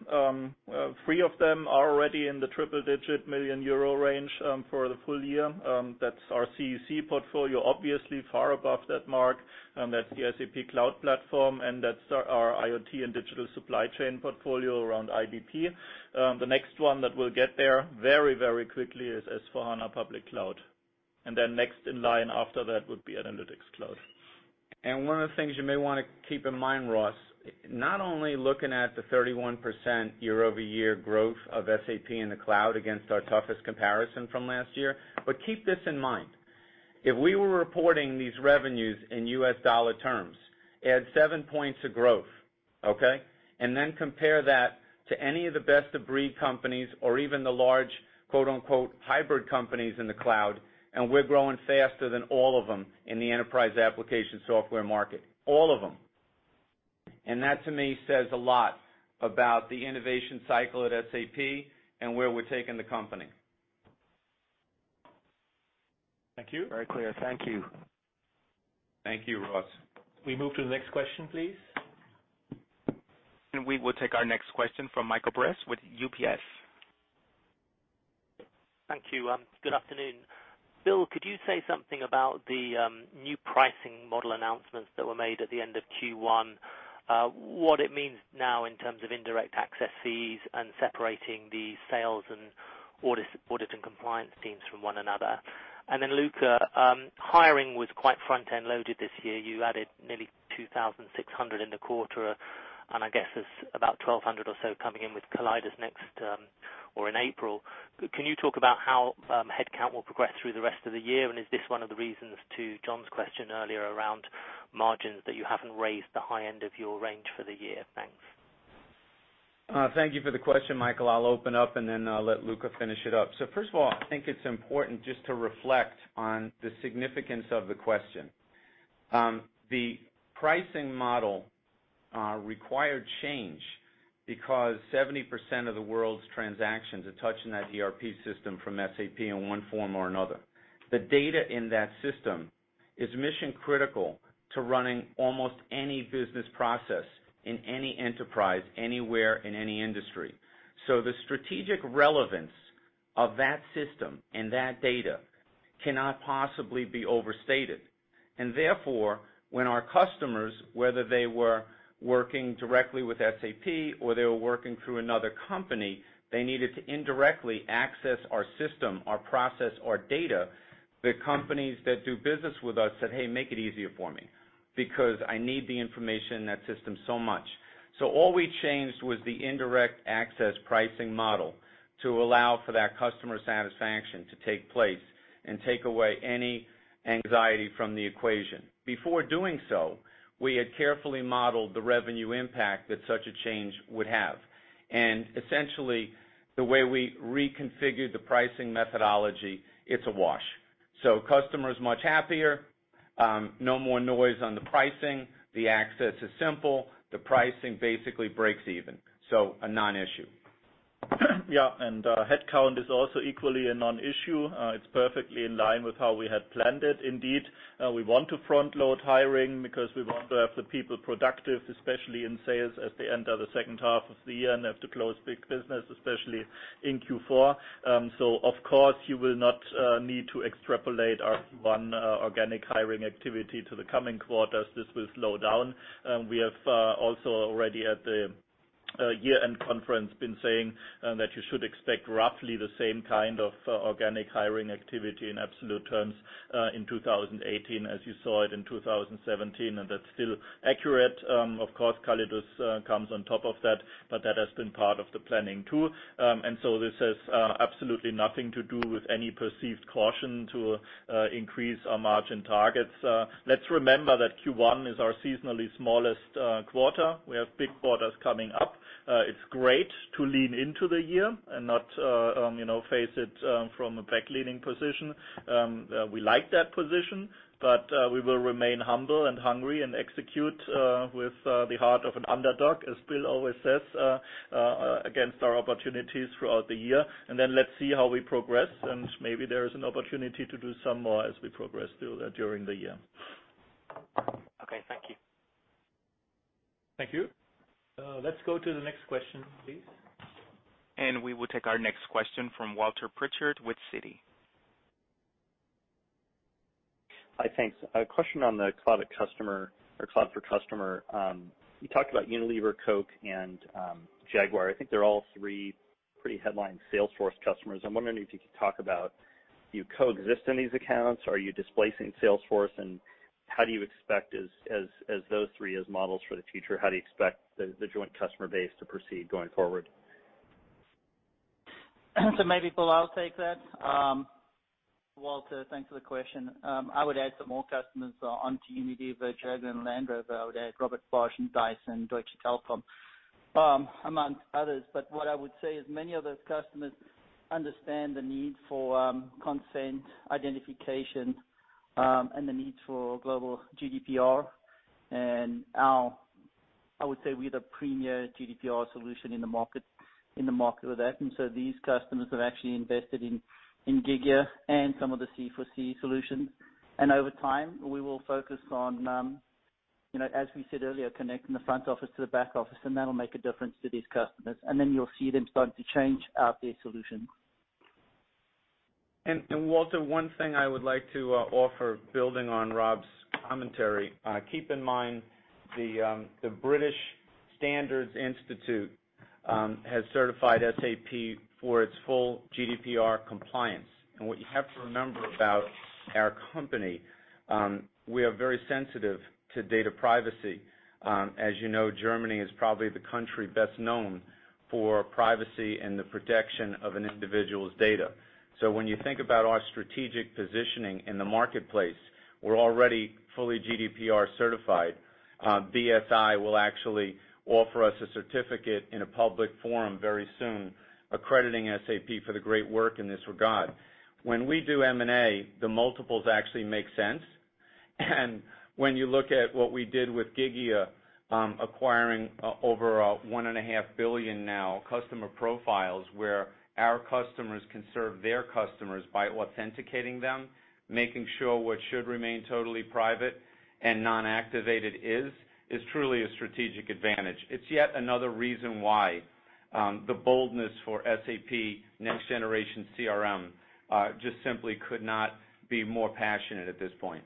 Three of them are already in the triple-digit million euro range for the full year. That is our CEC portfolio, obviously far above that mark. That is the SAP Cloud Platform, and that is our IoT and digital supply chain portfolio around IBP. The next one that will get there very quickly is S/4HANA Public Cloud. Next in line after that would be Analytics Cloud. One of the things you may want to keep in mind, Ross, not only looking at the 31% year-over-year growth of SAP in the cloud against our toughest comparison from last year, but keep this in mind. If we were reporting these revenues in U.S. dollar terms, add seven points of growth, okay? Then compare that to any of the best-of-breed companies or even the large "hybrid companies" in the cloud, and we are growing faster than all of them in the enterprise application software market. All of them. That, to me, says a lot about the innovation cycle at SAP and where we are taking the company. Thank you. Very clear. Thank you. Thank you, Ross. We move to the next question, please. We will take our next question from Michael Briest with UBS. Thank you. Good afternoon. Bill, could you say something about the new pricing model announcements that were made at the end of Q1? What it means now in terms of indirect access fees and separating the sales and audit and compliance teams from one another? Luka, hiring was quite front-end loaded this year. You added nearly 2,600 in the quarter, and I guess there's about 1,200 or so coming in with Callidus next term or in April. Can you talk about how headcount will progress through the rest of the year? Is this one of the reasons to John's question earlier around margins that you haven't raised the high end of your range for the year? Thanks. Thank you for the question, Michael. I'll open up and then I'll let Luka finish it up. First of all, I think it's important just to reflect on the significance of the question. The pricing model required change because 70% of the world's transactions are touched in that ERP system from SAP in one form or another. The data in that system is mission critical to running almost any business process in any enterprise, anywhere, in any industry. The strategic relevance of that system and that data cannot possibly be overstated. Therefore, when our customers, whether they were working directly with SAP or they were working through another company, they needed to indirectly access our system, our process, our data. The companies that do business with us said, "Hey, make it easier for me because I need the information in that system so much." All we changed was the indirect access pricing model to allow for that customer satisfaction to take place and take away any anxiety from the equation. Before doing so, we had carefully modeled the revenue impact that such a change would have, and essentially, the way we reconfigured the pricing methodology, it's a wash. Customers much happier. No more noise on the pricing. The access is simple. The pricing basically breaks even. A non-issue. Yeah. Headcount is also equally a non-issue. It's perfectly in line with how we had planned it. Indeed, we want to front-load hiring because we want to have the people productive, especially in sales as they enter the second half of the year and have to close big business, especially in Q4. Of course, you will not need to extrapolate our Q1 organic hiring activity to the coming quarters. This will slow down. We have also already at the year-end conference been saying that you should expect roughly the same kind of organic hiring activity in absolute terms in 2018 as you saw it in 2017, and that's still accurate. Of course, Callidus comes on top of that, but that has been part of the planning too. This has absolutely nothing to do with any perceived caution to increase our margin targets. Let's remember that Q1 is our seasonally smallest quarter. We have big quarters coming up. It's great to lean into the year and not face it from a back-leaning position. We like that position, we will remain humble and hungry and execute with the heart of an underdog, as Bill always says, against our opportunities throughout the year. Let's see how we progress. Maybe there is an opportunity to do some more as we progress through there during the year. Okay. Thank you. Thank you. Let's go to the next question, please. We will take our next question from Walter Pritchard with Citi. Hi, thanks. A question on the cloud customer or SAP Cloud for Customer. You talked about Unilever, Coke, and Jaguar. I think they're all three pretty headline Salesforce customers. I'm wondering if you could talk about, do you coexist in these accounts? Are you displacing Salesforce? How do you expect as those three as models for the future, how do you expect the joint customer base to proceed going forward? Maybe, Bill, I'll take that. Walter, thanks for the question. I would add some more customers onto Unilever, Jaguar, and Land Rover. I would add Robert Bosch and Dyson, Deutsche Telekom, among others. What I would say is many of those customers understand the need for consent, identification, and the need for global GDPR. I would say we had a premier GDPR solution in the market with that. These customers have actually invested in Gigya and some of the C4C solutions. Over time, we will focus on, as we said earlier, connecting the front office to the back office, and that'll make a difference to these customers. Then you'll see them starting to change out their solution. Walter, one thing I would like to offer, building on Rob's commentary. Keep in mind the British Standards Institution has certified SAP for its full GDPR compliance. What you have to remember about our company, we are very sensitive to data privacy. As you know, Germany is probably the country best known for privacy and the protection of an individual's data. When you think about our strategic positioning in the marketplace, we're already fully GDPR certified. BSI will actually offer us a certificate in a public forum very soon accrediting SAP for the great work in this regard. When we do M&A, the multiples actually make sense. When you look at what we did with Gigya, acquiring over one and a half billion now customer profiles where our customers can serve their customers by authenticating them, making sure what should remain totally private and non-activated is truly a strategic advantage. It's yet another reason why the boldness for SAP next generation CRM just simply could not be more passionate at this point.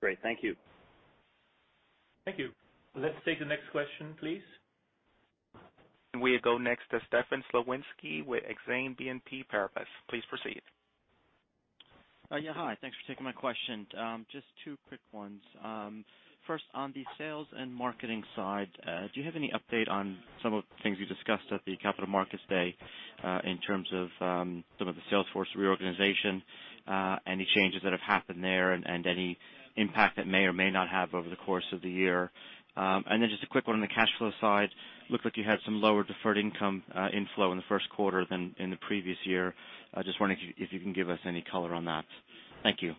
Great. Thank you. Thank you. Let's take the next question, please. We go next to Stefan Slowinski with Exane BNP Paribas. Please proceed. Yeah. Hi. Thanks for taking my question. Just two quick ones. First, on the sales and marketing side, do you have any update on some of the things you discussed at the Capital Markets Day, in terms of some of the sales force reorganization, any changes that have happened there, and any impact that may or may not have over the course of the year? Just a quick one on the cash flow side. Looked like you had some lower deferred income inflow in the first quarter than in the previous year. Just wondering if you can give us any color on that. Thank you.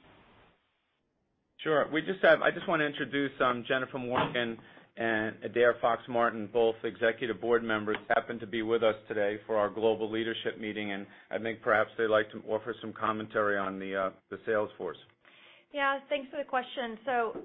Sure. I just want to introduce Jennifer Morgan and Adaire Fox-Martin, both Executive Board Members happen to be with us today for our global leadership meeting, and I think perhaps they'd like to offer some commentary on the sales force. Yeah, thanks for the question.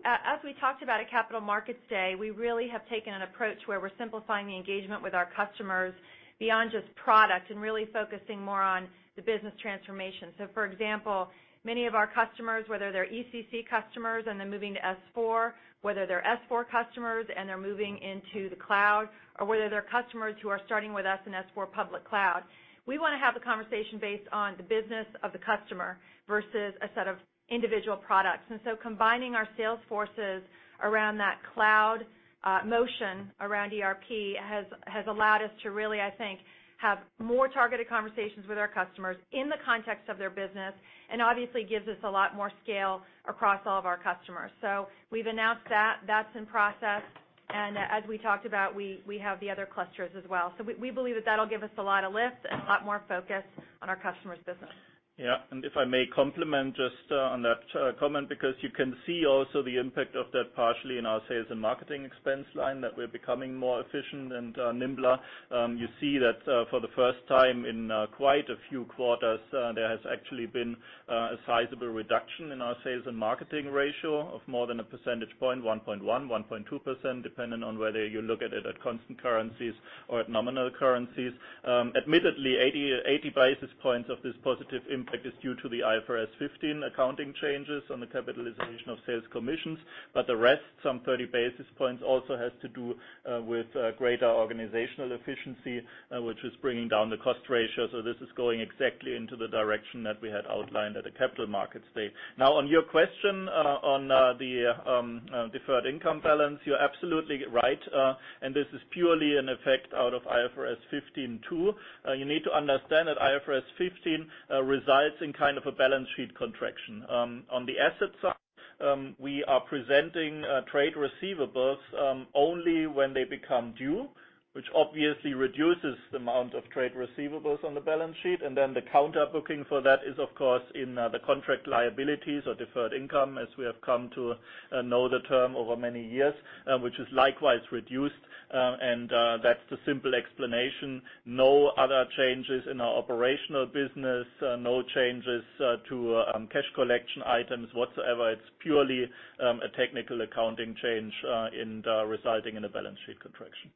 As we talked about at Capital Markets Day, we really have taken an approach where we're simplifying the engagement with our customers beyond just product and really focusing more on the business transformation. For example, many of our customers, whether they're ECC customers and they're moving to S/4, whether they're S/4 customers and they're moving into the cloud, or whether they're customers who are starting with us in S/4 public cloud. We want to have a conversation based on the business of the customer versus a set of individual products. Combining our sales forces around that cloud motion around ERP has allowed us to really, I think, have more targeted conversations with our customers in the context of their business, and obviously gives us a lot more scale across all of our customers. We've announced that's in process, and as we talked about, we have the other clusters as well. We believe that that'll give us a lot of lift and a lot more focus on our customer's business. Yeah. If I may complement just on that comment, because you can see also the impact of that partially in our sales and marketing expense line, that we're becoming more efficient and nimbler. You see that for the first time in quite a few quarters, there has actually been a sizable reduction in our sales and marketing ratio of more than a percentage point, 1.1%, 1.2%, depending on whether you look at it at constant currencies or at nominal currencies. Admittedly, 80 basis points of this positive impact is due to the IFRS 15 accounting changes on the capitalization of sales commissions. The rest, some 30 basis points, also has to do with greater organizational efficiency, which is bringing down the cost ratio. This is going exactly into the direction that we had outlined at the Capital Markets Day. On your question on the deferred income balance, you're absolutely right. This is purely an effect out of IFRS 15 too. You need to understand that IFRS 15 results in kind of a balance sheet contraction. On the asset side, we are presenting trade receivables only when they become due, which obviously reduces the amount of trade receivables on the balance sheet. Then the counter-booking for that is, of course, in the contract liabilities or deferred income as we have come to know the term over many years, which is likewise reduced. That's the simple explanation. No other changes in our operational business, no changes to cash collection items whatsoever. It's purely a technical accounting change resulting in a balance sheet contraction.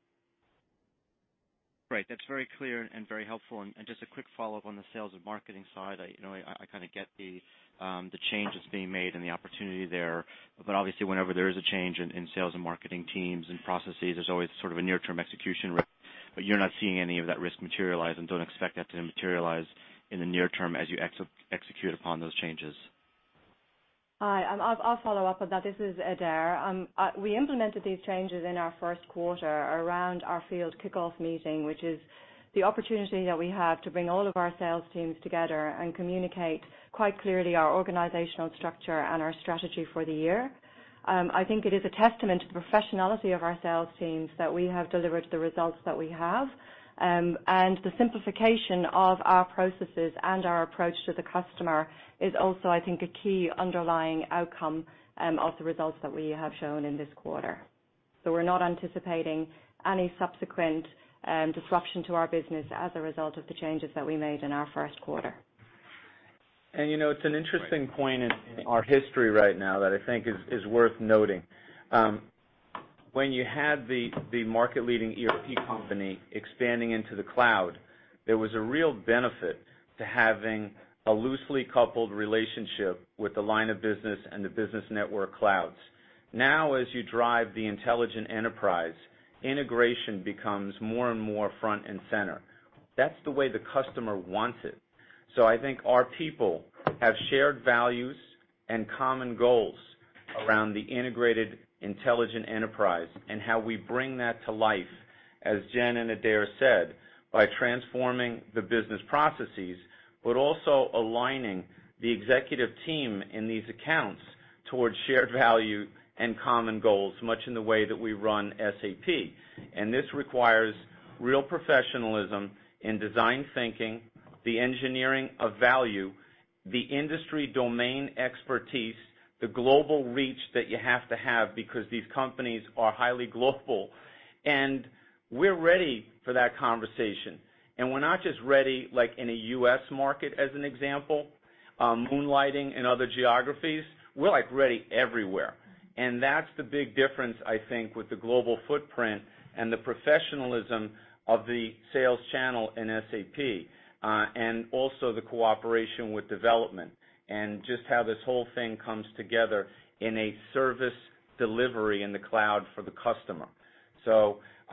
Right. That's very clear and very helpful. Just a quick follow-up on the sales and marketing side. I kind of get the changes being made and the opportunity there. Obviously, whenever there is a change in sales and marketing teams and processes, there's always sort of a near-term execution risk. You're not seeing any of that risk materialize and don't expect that to materialize in the near term as you execute upon those changes. Hi, I'll follow up on that. This is Adaire. We implemented these changes in our first quarter around our field kickoff meeting, which is the opportunity that we have to bring all of our sales teams together and communicate quite clearly our organizational structure and our strategy for the year. I think it is a testament to the professionality of our sales teams that we have delivered the results that we have. The simplification of our processes and our approach to the customer is also, I think, a key underlying outcome of the results that we have shown in this quarter. We're not anticipating any subsequent disruption to our business as a result of the changes that we made in our first quarter. It's an interesting point in our history right now that I think is worth noting. When you had the market leading ERP company expanding into the cloud, there was a real benefit to having a loosely coupled relationship with the line of business and the business network clouds. Now, as you drive the intelligent enterprise, integration becomes more and more front and center. That's the way the customer wants it. I think our people have shared values and common goals around the integrated intelligent enterprise and how we bring that to life, as Jen and Adaire said, by transforming the business processes, but also aligning the executive team in these accounts towards shared value and common goals, much in the way that we run SAP. This requires real professionalism in design thinking, the engineering of value, the industry domain expertise, the global reach that you have to have because these companies are highly global. We're ready for that conversation. We're not just ready, like in a U.S. market as an example, moonlighting in other geographies. We're ready everywhere. That's the big difference, I think, with the global footprint and the professionalism of the sales channel in SAP. Also the cooperation with development and just how this whole thing comes together in a service delivery in the cloud for the customer.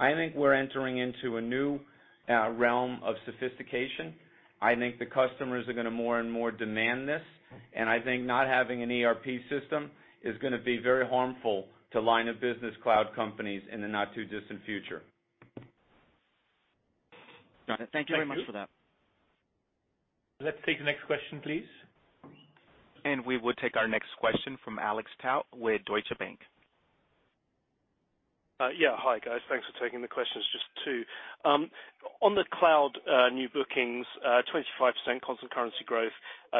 I think we're entering into a new realm of sophistication. I think the customers are going to more and more demand this, and I think not having an ERP system is going to be very harmful to line of business cloud companies in the not-too-distant future. Thank you very much for that. Let's take the next question, please. We will take our next question from Alexander Tout with Deutsche Bank. Hi, guys. Thanks for taking the questions. Just two. On the cloud new bookings, 25% constant currency growth,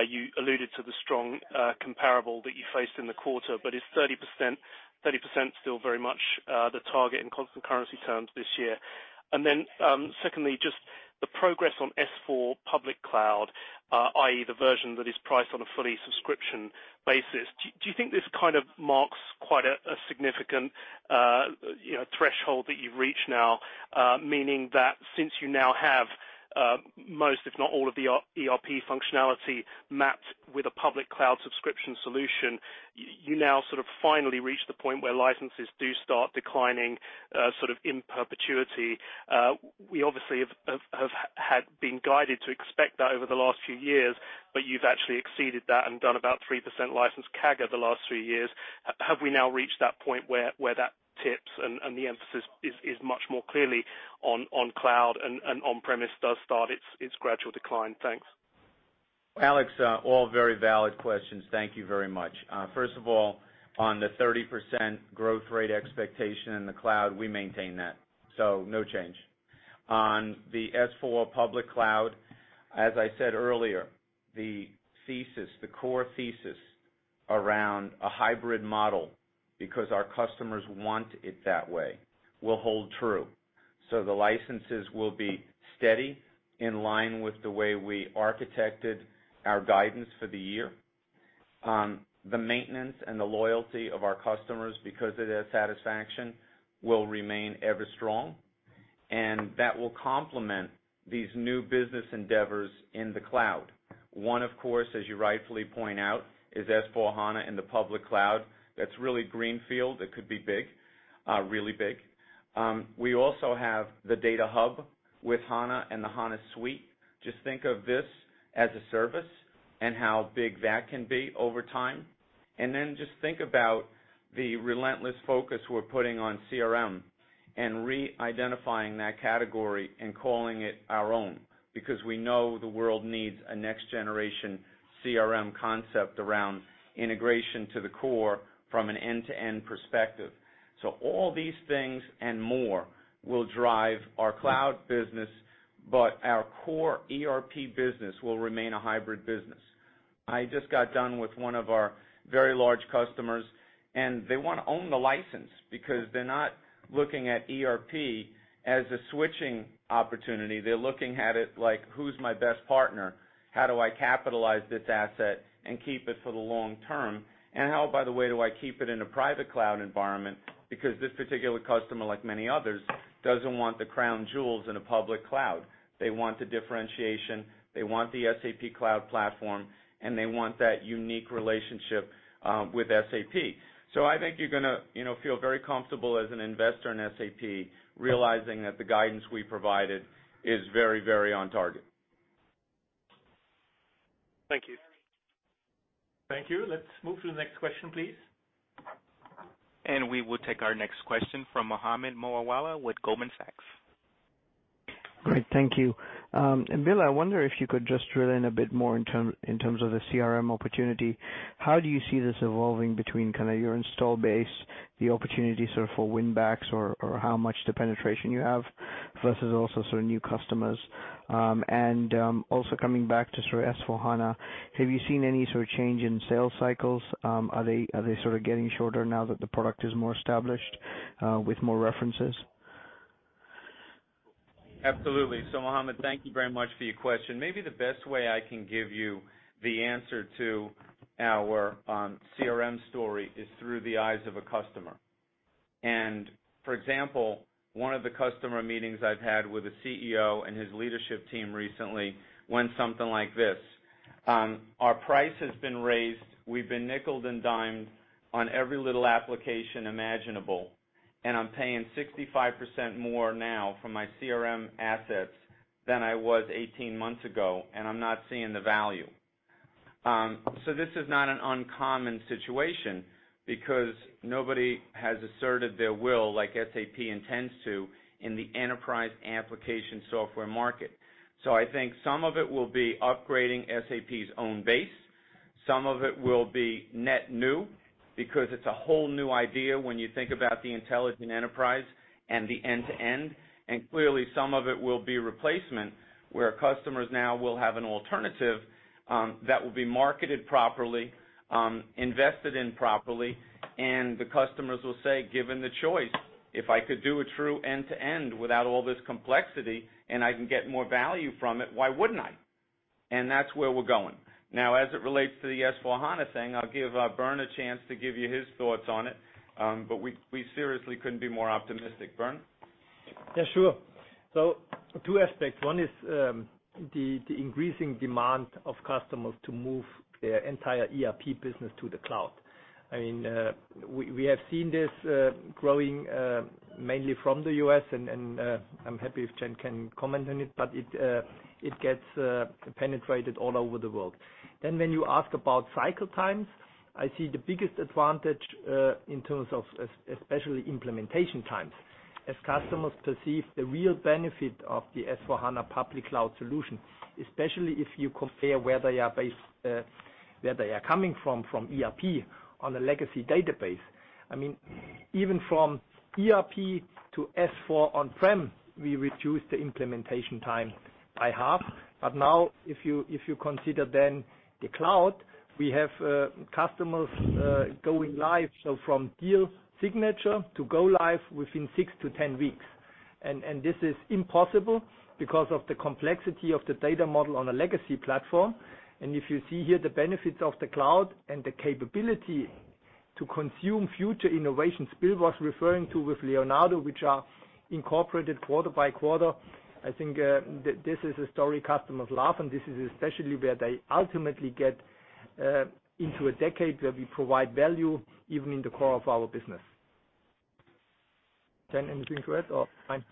you alluded to the strong comparable that you faced in the quarter, is 30% still very much the target in constant currency terms this year? Secondly, just the progress on S/4HANA public cloud, i.e., the version that is priced on a fully subscription basis. Do you think this kind of marks quite a significant threshold that you've reached now? Meaning that since you now have most, if not all of the ERP functionality mapped with a public cloud subscription solution, you now sort of finally reach the point where licenses do start declining sort of in perpetuity. We obviously have been guided to expect that over the last few years, but you've actually exceeded that and done about 3% license CAGR the last three years. Have we now reached that point where that tips the emphasis is much more clearly on cloud and on-premise does start its gradual decline? Thanks. Alex, all very valid questions. Thank you very much. First of all, on the 30% growth rate expectation in the cloud, we maintain that. No change. On the S/4HANA public cloud, as I said earlier, the core thesis around a hybrid model, because our customers want it that way, will hold true. The licenses will be steady in line with the way we architected our guidance for the year. The maintenance and the loyalty of our customers because of their satisfaction will remain ever strong, and that will complement these new business endeavors in the cloud. One, of course, as you rightfully point out, is S/4HANA in the public cloud. That's really greenfield. It could be big. Really big. We also have the Data Hub with HANA and the HANA suite. Just think of this as a service and how big that can be over time. Just think about the relentless focus we're putting on CRM and reidentifying that category and calling it our own, because we know the world needs a next generation CRM concept around integration to the core from an end-to-end perspective. All these things and more will drive our cloud business, but our core ERP business will remain a hybrid business. I just got done with one of our very large customers, and they want to own the license because they're not looking at ERP as a switching opportunity. They're looking at it like, who's my best partner? How do I capitalize this asset and keep it for the long term? How, by the way, do I keep it in a private cloud environment? Because this particular customer, like many others, doesn't want the crown jewels in a public cloud. They want the differentiation, they want the SAP Cloud Platform, and they want that unique relationship with SAP. I think you're going to feel very comfortable as an investor in SAP realizing that the guidance we provided is very on target. Thank you. Thank you. Let's move to the next question, please. We will take our next question from Mohammed Moawalla with Goldman Sachs. Great, thank you. Bill, I wonder if you could just drill in a bit more in terms of the CRM opportunity. How do you see this evolving between kind of your install base, the opportunity sort of for win backs or how much the penetration you have, versus also sort of new customers? Also coming back to sort of S/4HANA, have you seen any sort of change in sales cycles? Are they sort of getting shorter now that the product is more established with more references? Absolutely. Mohammed, thank you very much for your question. Maybe the best way I can give you the answer to our CRM story is through the eyes of a customer. For example, one of the customer meetings I've had with a CEO and his leadership team recently went something like this. Our price has been raised. We've been nickeled and dimed on every little application imaginable, and I'm paying 65% more now for my CRM assets than I was 18 months ago, and I'm not seeing the value. This is not an uncommon situation because nobody has asserted their will like SAP intends to in the enterprise application software market. I think some of it will be upgrading SAP's own base. Some of it will be net new because it's a whole new idea when you think about the intelligent enterprise and the end to end. Clearly, some of it will be replacement, where customers now will have an alternative that will be marketed properly, invested in properly, and the customers will say, given the choice, if I could do a true end to end without all this complexity and I can get more value from it, why wouldn't I? That's where we're going. As it relates to the S/4HANA thing, I'll give Bernd a chance to give you his thoughts on it. We seriously couldn't be more optimistic. Bernd? Yeah, sure. Two aspects. One is the increasing demand of customers to move their entire ERP business to the cloud. We have seen this growing mainly from the U.S., and I'm happy if Jen can comment on it, but it gets penetrated all over the world. When you ask about cycle times, I see the biggest advantage in terms of especially implementation times, as customers perceive the real benefit of the S/4HANA public cloud solution, especially if you compare where they are coming from ERP on a legacy database. Even from ERP to S4 on-prem, we reduced the implementation time by half. Now if you consider the cloud, we have customers going live, so from deal signature to go live within six to 10 weeks. This is impossible because of the complexity of the data model on a legacy platform. If you see here the benefits of the cloud and the capability to consume future innovations Bill was referring to with Leonardo, which are incorporated quarter by quarter, I think this is a story customers love, and this is especially where they ultimately get into a decade where we provide value even in the core of our business. Jen, anything to add or fine?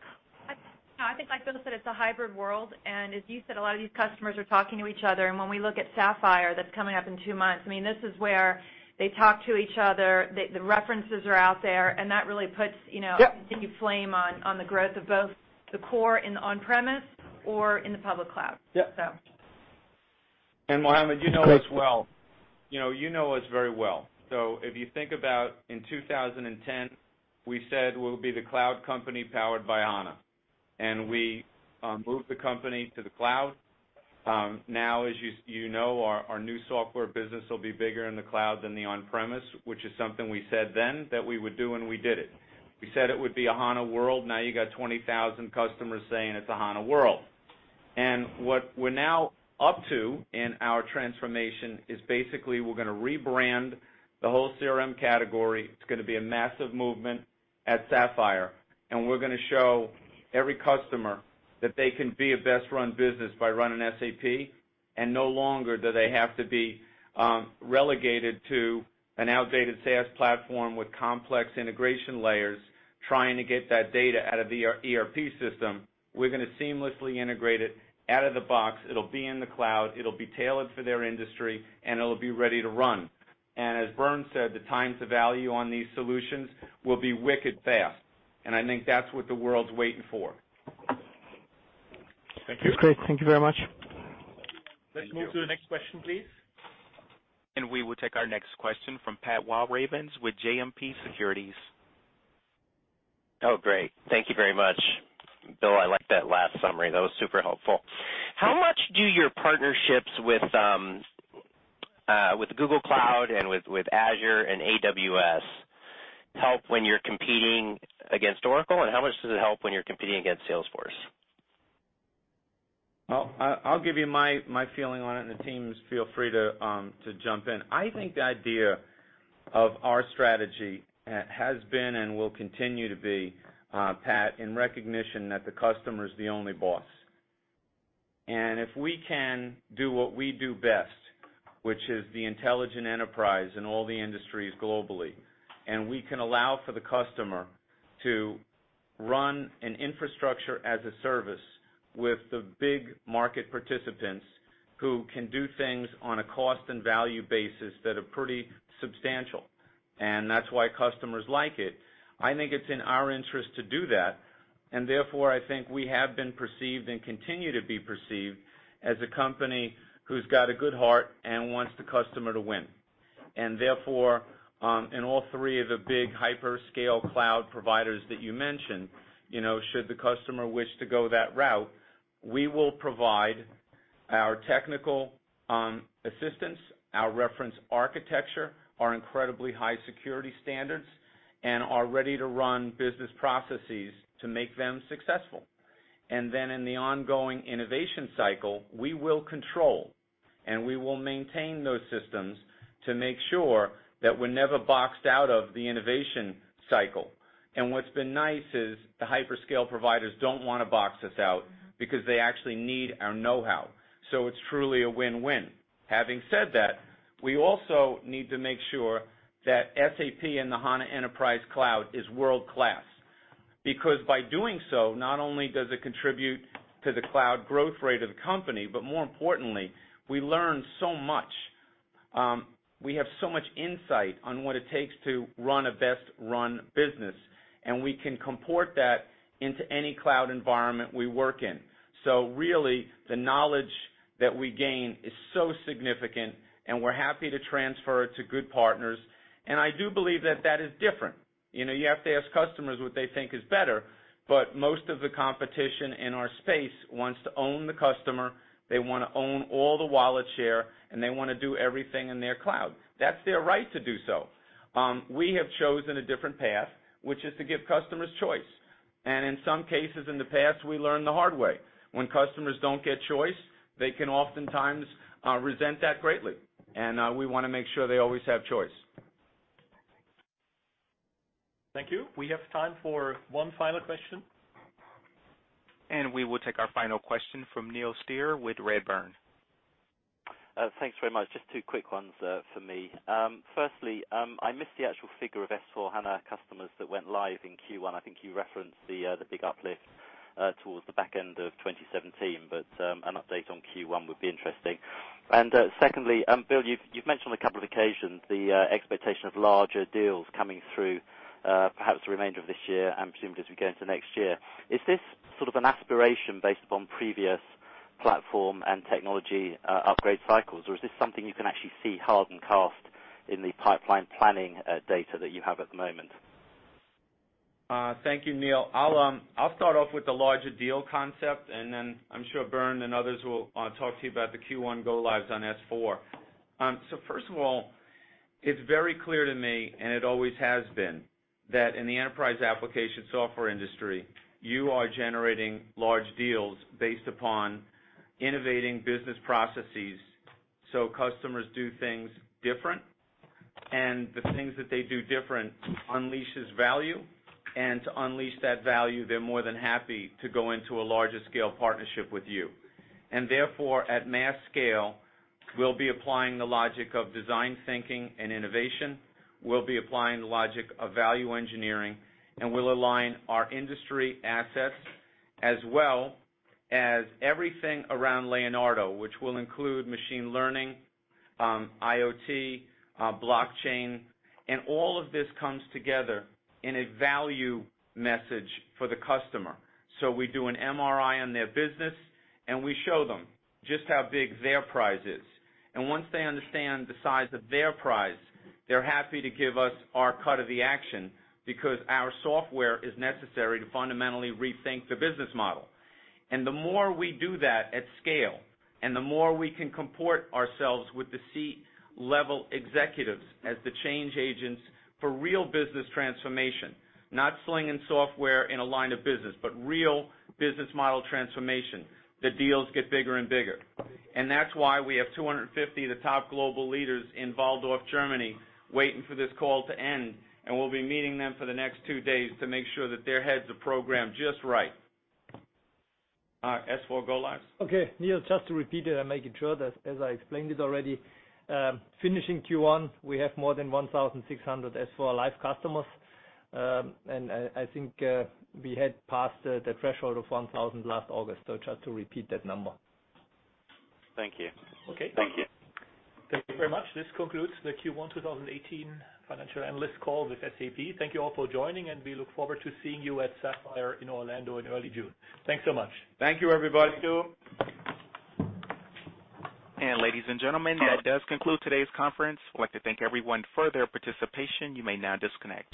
I think, like Bill said, it's a hybrid world. As you said, a lot of these customers are talking to each other. When we look at Sapphire, that's coming up in two months, this is where they talk to each other. The references are out there, and that really puts- Yep a flame on the growth of both the core in on-premise or in the public cloud. Yep. So. Mohammed, you know us well. You know us very well. If you think about in 2010, we said we'll be the cloud company powered by HANA, we moved the company to the cloud. As you know, our new software business will be bigger in the cloud than the on-premise, which is something we said then that we would do, we did it. We said it would be a HANA world. You got 20,000 customers saying it's a HANA world. What we're now up to in our transformation is basically we're going to rebrand the whole CRM category. It's going to be a massive movement at Sapphire. We're going to show every customer that they can be a best-run business by running SAP. No longer do they have to be relegated to an outdated SaaS platform with complex integration layers, trying to get that data out of the ERP system. We're going to seamlessly integrate it out of the box. It'll be in the cloud, it'll be tailored for their industry. It'll be ready to run. As Bernd said, the times of value on these solutions will be wicked fast. I think that's what the world's waiting for. Thank you. That's great. Thank you very much. Thank you. Let's move to the next question, please. We will take our next question from Patrick Walravens with JMP Securities. Great. Thank you very much. Bill, I liked that last summary. That was super helpful. How much do your partnerships with Google Cloud and with Azure and AWS help when you're competing against Oracle? How much does it help when you're competing against Salesforce? I'll give you my feeling on it, and the teams feel free to jump in. I think the idea of our strategy has been and will continue to be, Pat, in recognition that the customer is the only boss. If we can do what we do best, which is the intelligent enterprise in all the industries globally, we can allow for the customer to run an Infrastructure as a Service with the big market participants who can do things on a cost and value basis that are pretty substantial, and that's why customers like it. I think it's in our interest to do that, therefore, I think we have been perceived and continue to be perceived as a company who's got a good heart and wants the customer to win. Therefore, in all three of the big hyperscale cloud providers that you mentioned, should the customer wish to go that route, we will provide our technical assistance, our reference architecture, our incredibly high security standards, and our ready-to-run business processes to make them successful. Then in the ongoing innovation cycle, we will control, and we will maintain those systems to make sure that we're never boxed out of the innovation cycle. What's been nice is the hyperscale providers don't want to box us out because they actually need our know-how. It's truly a win-win. Having said that, we also need to make sure that SAP and the HANA Enterprise Cloud is world-class. By doing so, not only does it contribute to the cloud growth rate of the company, but more importantly, we learn so much. We have so much insight on what it takes to run a best-run business, and we can comport that into any cloud environment we work in. Really, the knowledge that we gain is so significant, and we're happy to transfer it to good partners. I do believe that that is different. You have to ask customers what they think is better, but most of the competition in our space wants to own the customer, they want to own all the wallet share, and they want to do everything in their cloud. That's their right to do so. We have chosen a different path, which is to give customers choice. In some cases in the past, we learned the hard way. When customers don't get choice, they can oftentimes resent that greatly, and we want to make sure they always have choice. Thank you. We have time for one final question. We will take our final question from Neil Steer with Redburn. Thanks very much. Just two quick ones for me. Firstly, I missed the actual figure of S/4HANA customers that went live in Q1. I think you referenced the big uplift towards the back end of 2017, but an update on Q1 would be interesting. Secondly, Bill, you've mentioned on a couple of occasions the expectation of larger deals coming through, perhaps the remainder of this year and presumably as we go into next year. Is this sort of an aspiration based upon previous platform and technology upgrade cycles, or is this something you can actually see hard and cast in the pipeline planning data that you have at the moment? Thank you, Neil. I'll start off with the larger deal concept, then I'm sure Bernd and others will talk to you about the Q1 go lives on S/4. First of all, it's very clear to me, it always has been, that in the enterprise application software industry, you are generating large deals based upon innovating business processes, so customers do things different. The things that they do different unleashes value. To unleash that value, they're more than happy to go into a larger scale partnership with you. Therefore, at mass scale, we'll be applying the logic of design thinking and innovation. We'll be applying the logic of value engineering, and we'll align our industry assets as well as everything around Leonardo, which will include machine learning, IoT, blockchain, all of this comes together in a value message for the customer. We do an MRI on their business, we show them just how big their prize is. Once they understand the size of their prize, they're happy to give us our cut of the action because our software is necessary to fundamentally rethink the business model. The more we do that at scale, the more we can comport ourselves with the C-level executives as the change agents for real business transformation, not selling software in a line of business, but real business model transformation, the deals get bigger and bigger. That's why we have 250 of the top global leaders in Walldorf, Germany, waiting for this call to end. We'll be meeting them for the next two days to make sure that their heads are programmed just right. All right, S/4 go lives. Okay, Neil, just to repeat it and making sure that, as I explained it already, finishing Q1, we have more than 1,600 S/4 live customers. I think we had passed the threshold of 1,000 last August. Just to repeat that number. Thank you. Okay. Thank you. Thank you very much. This concludes the Q1 2018 financial analyst call with SAP. Thank you all for joining, and we look forward to seeing you at SAP Sapphire in Orlando in early June. Thanks so much. Thank you, everybody. Thank you. Ladies and gentlemen, that does conclude today's conference. I'd like to thank everyone for their participation. You may now disconnect.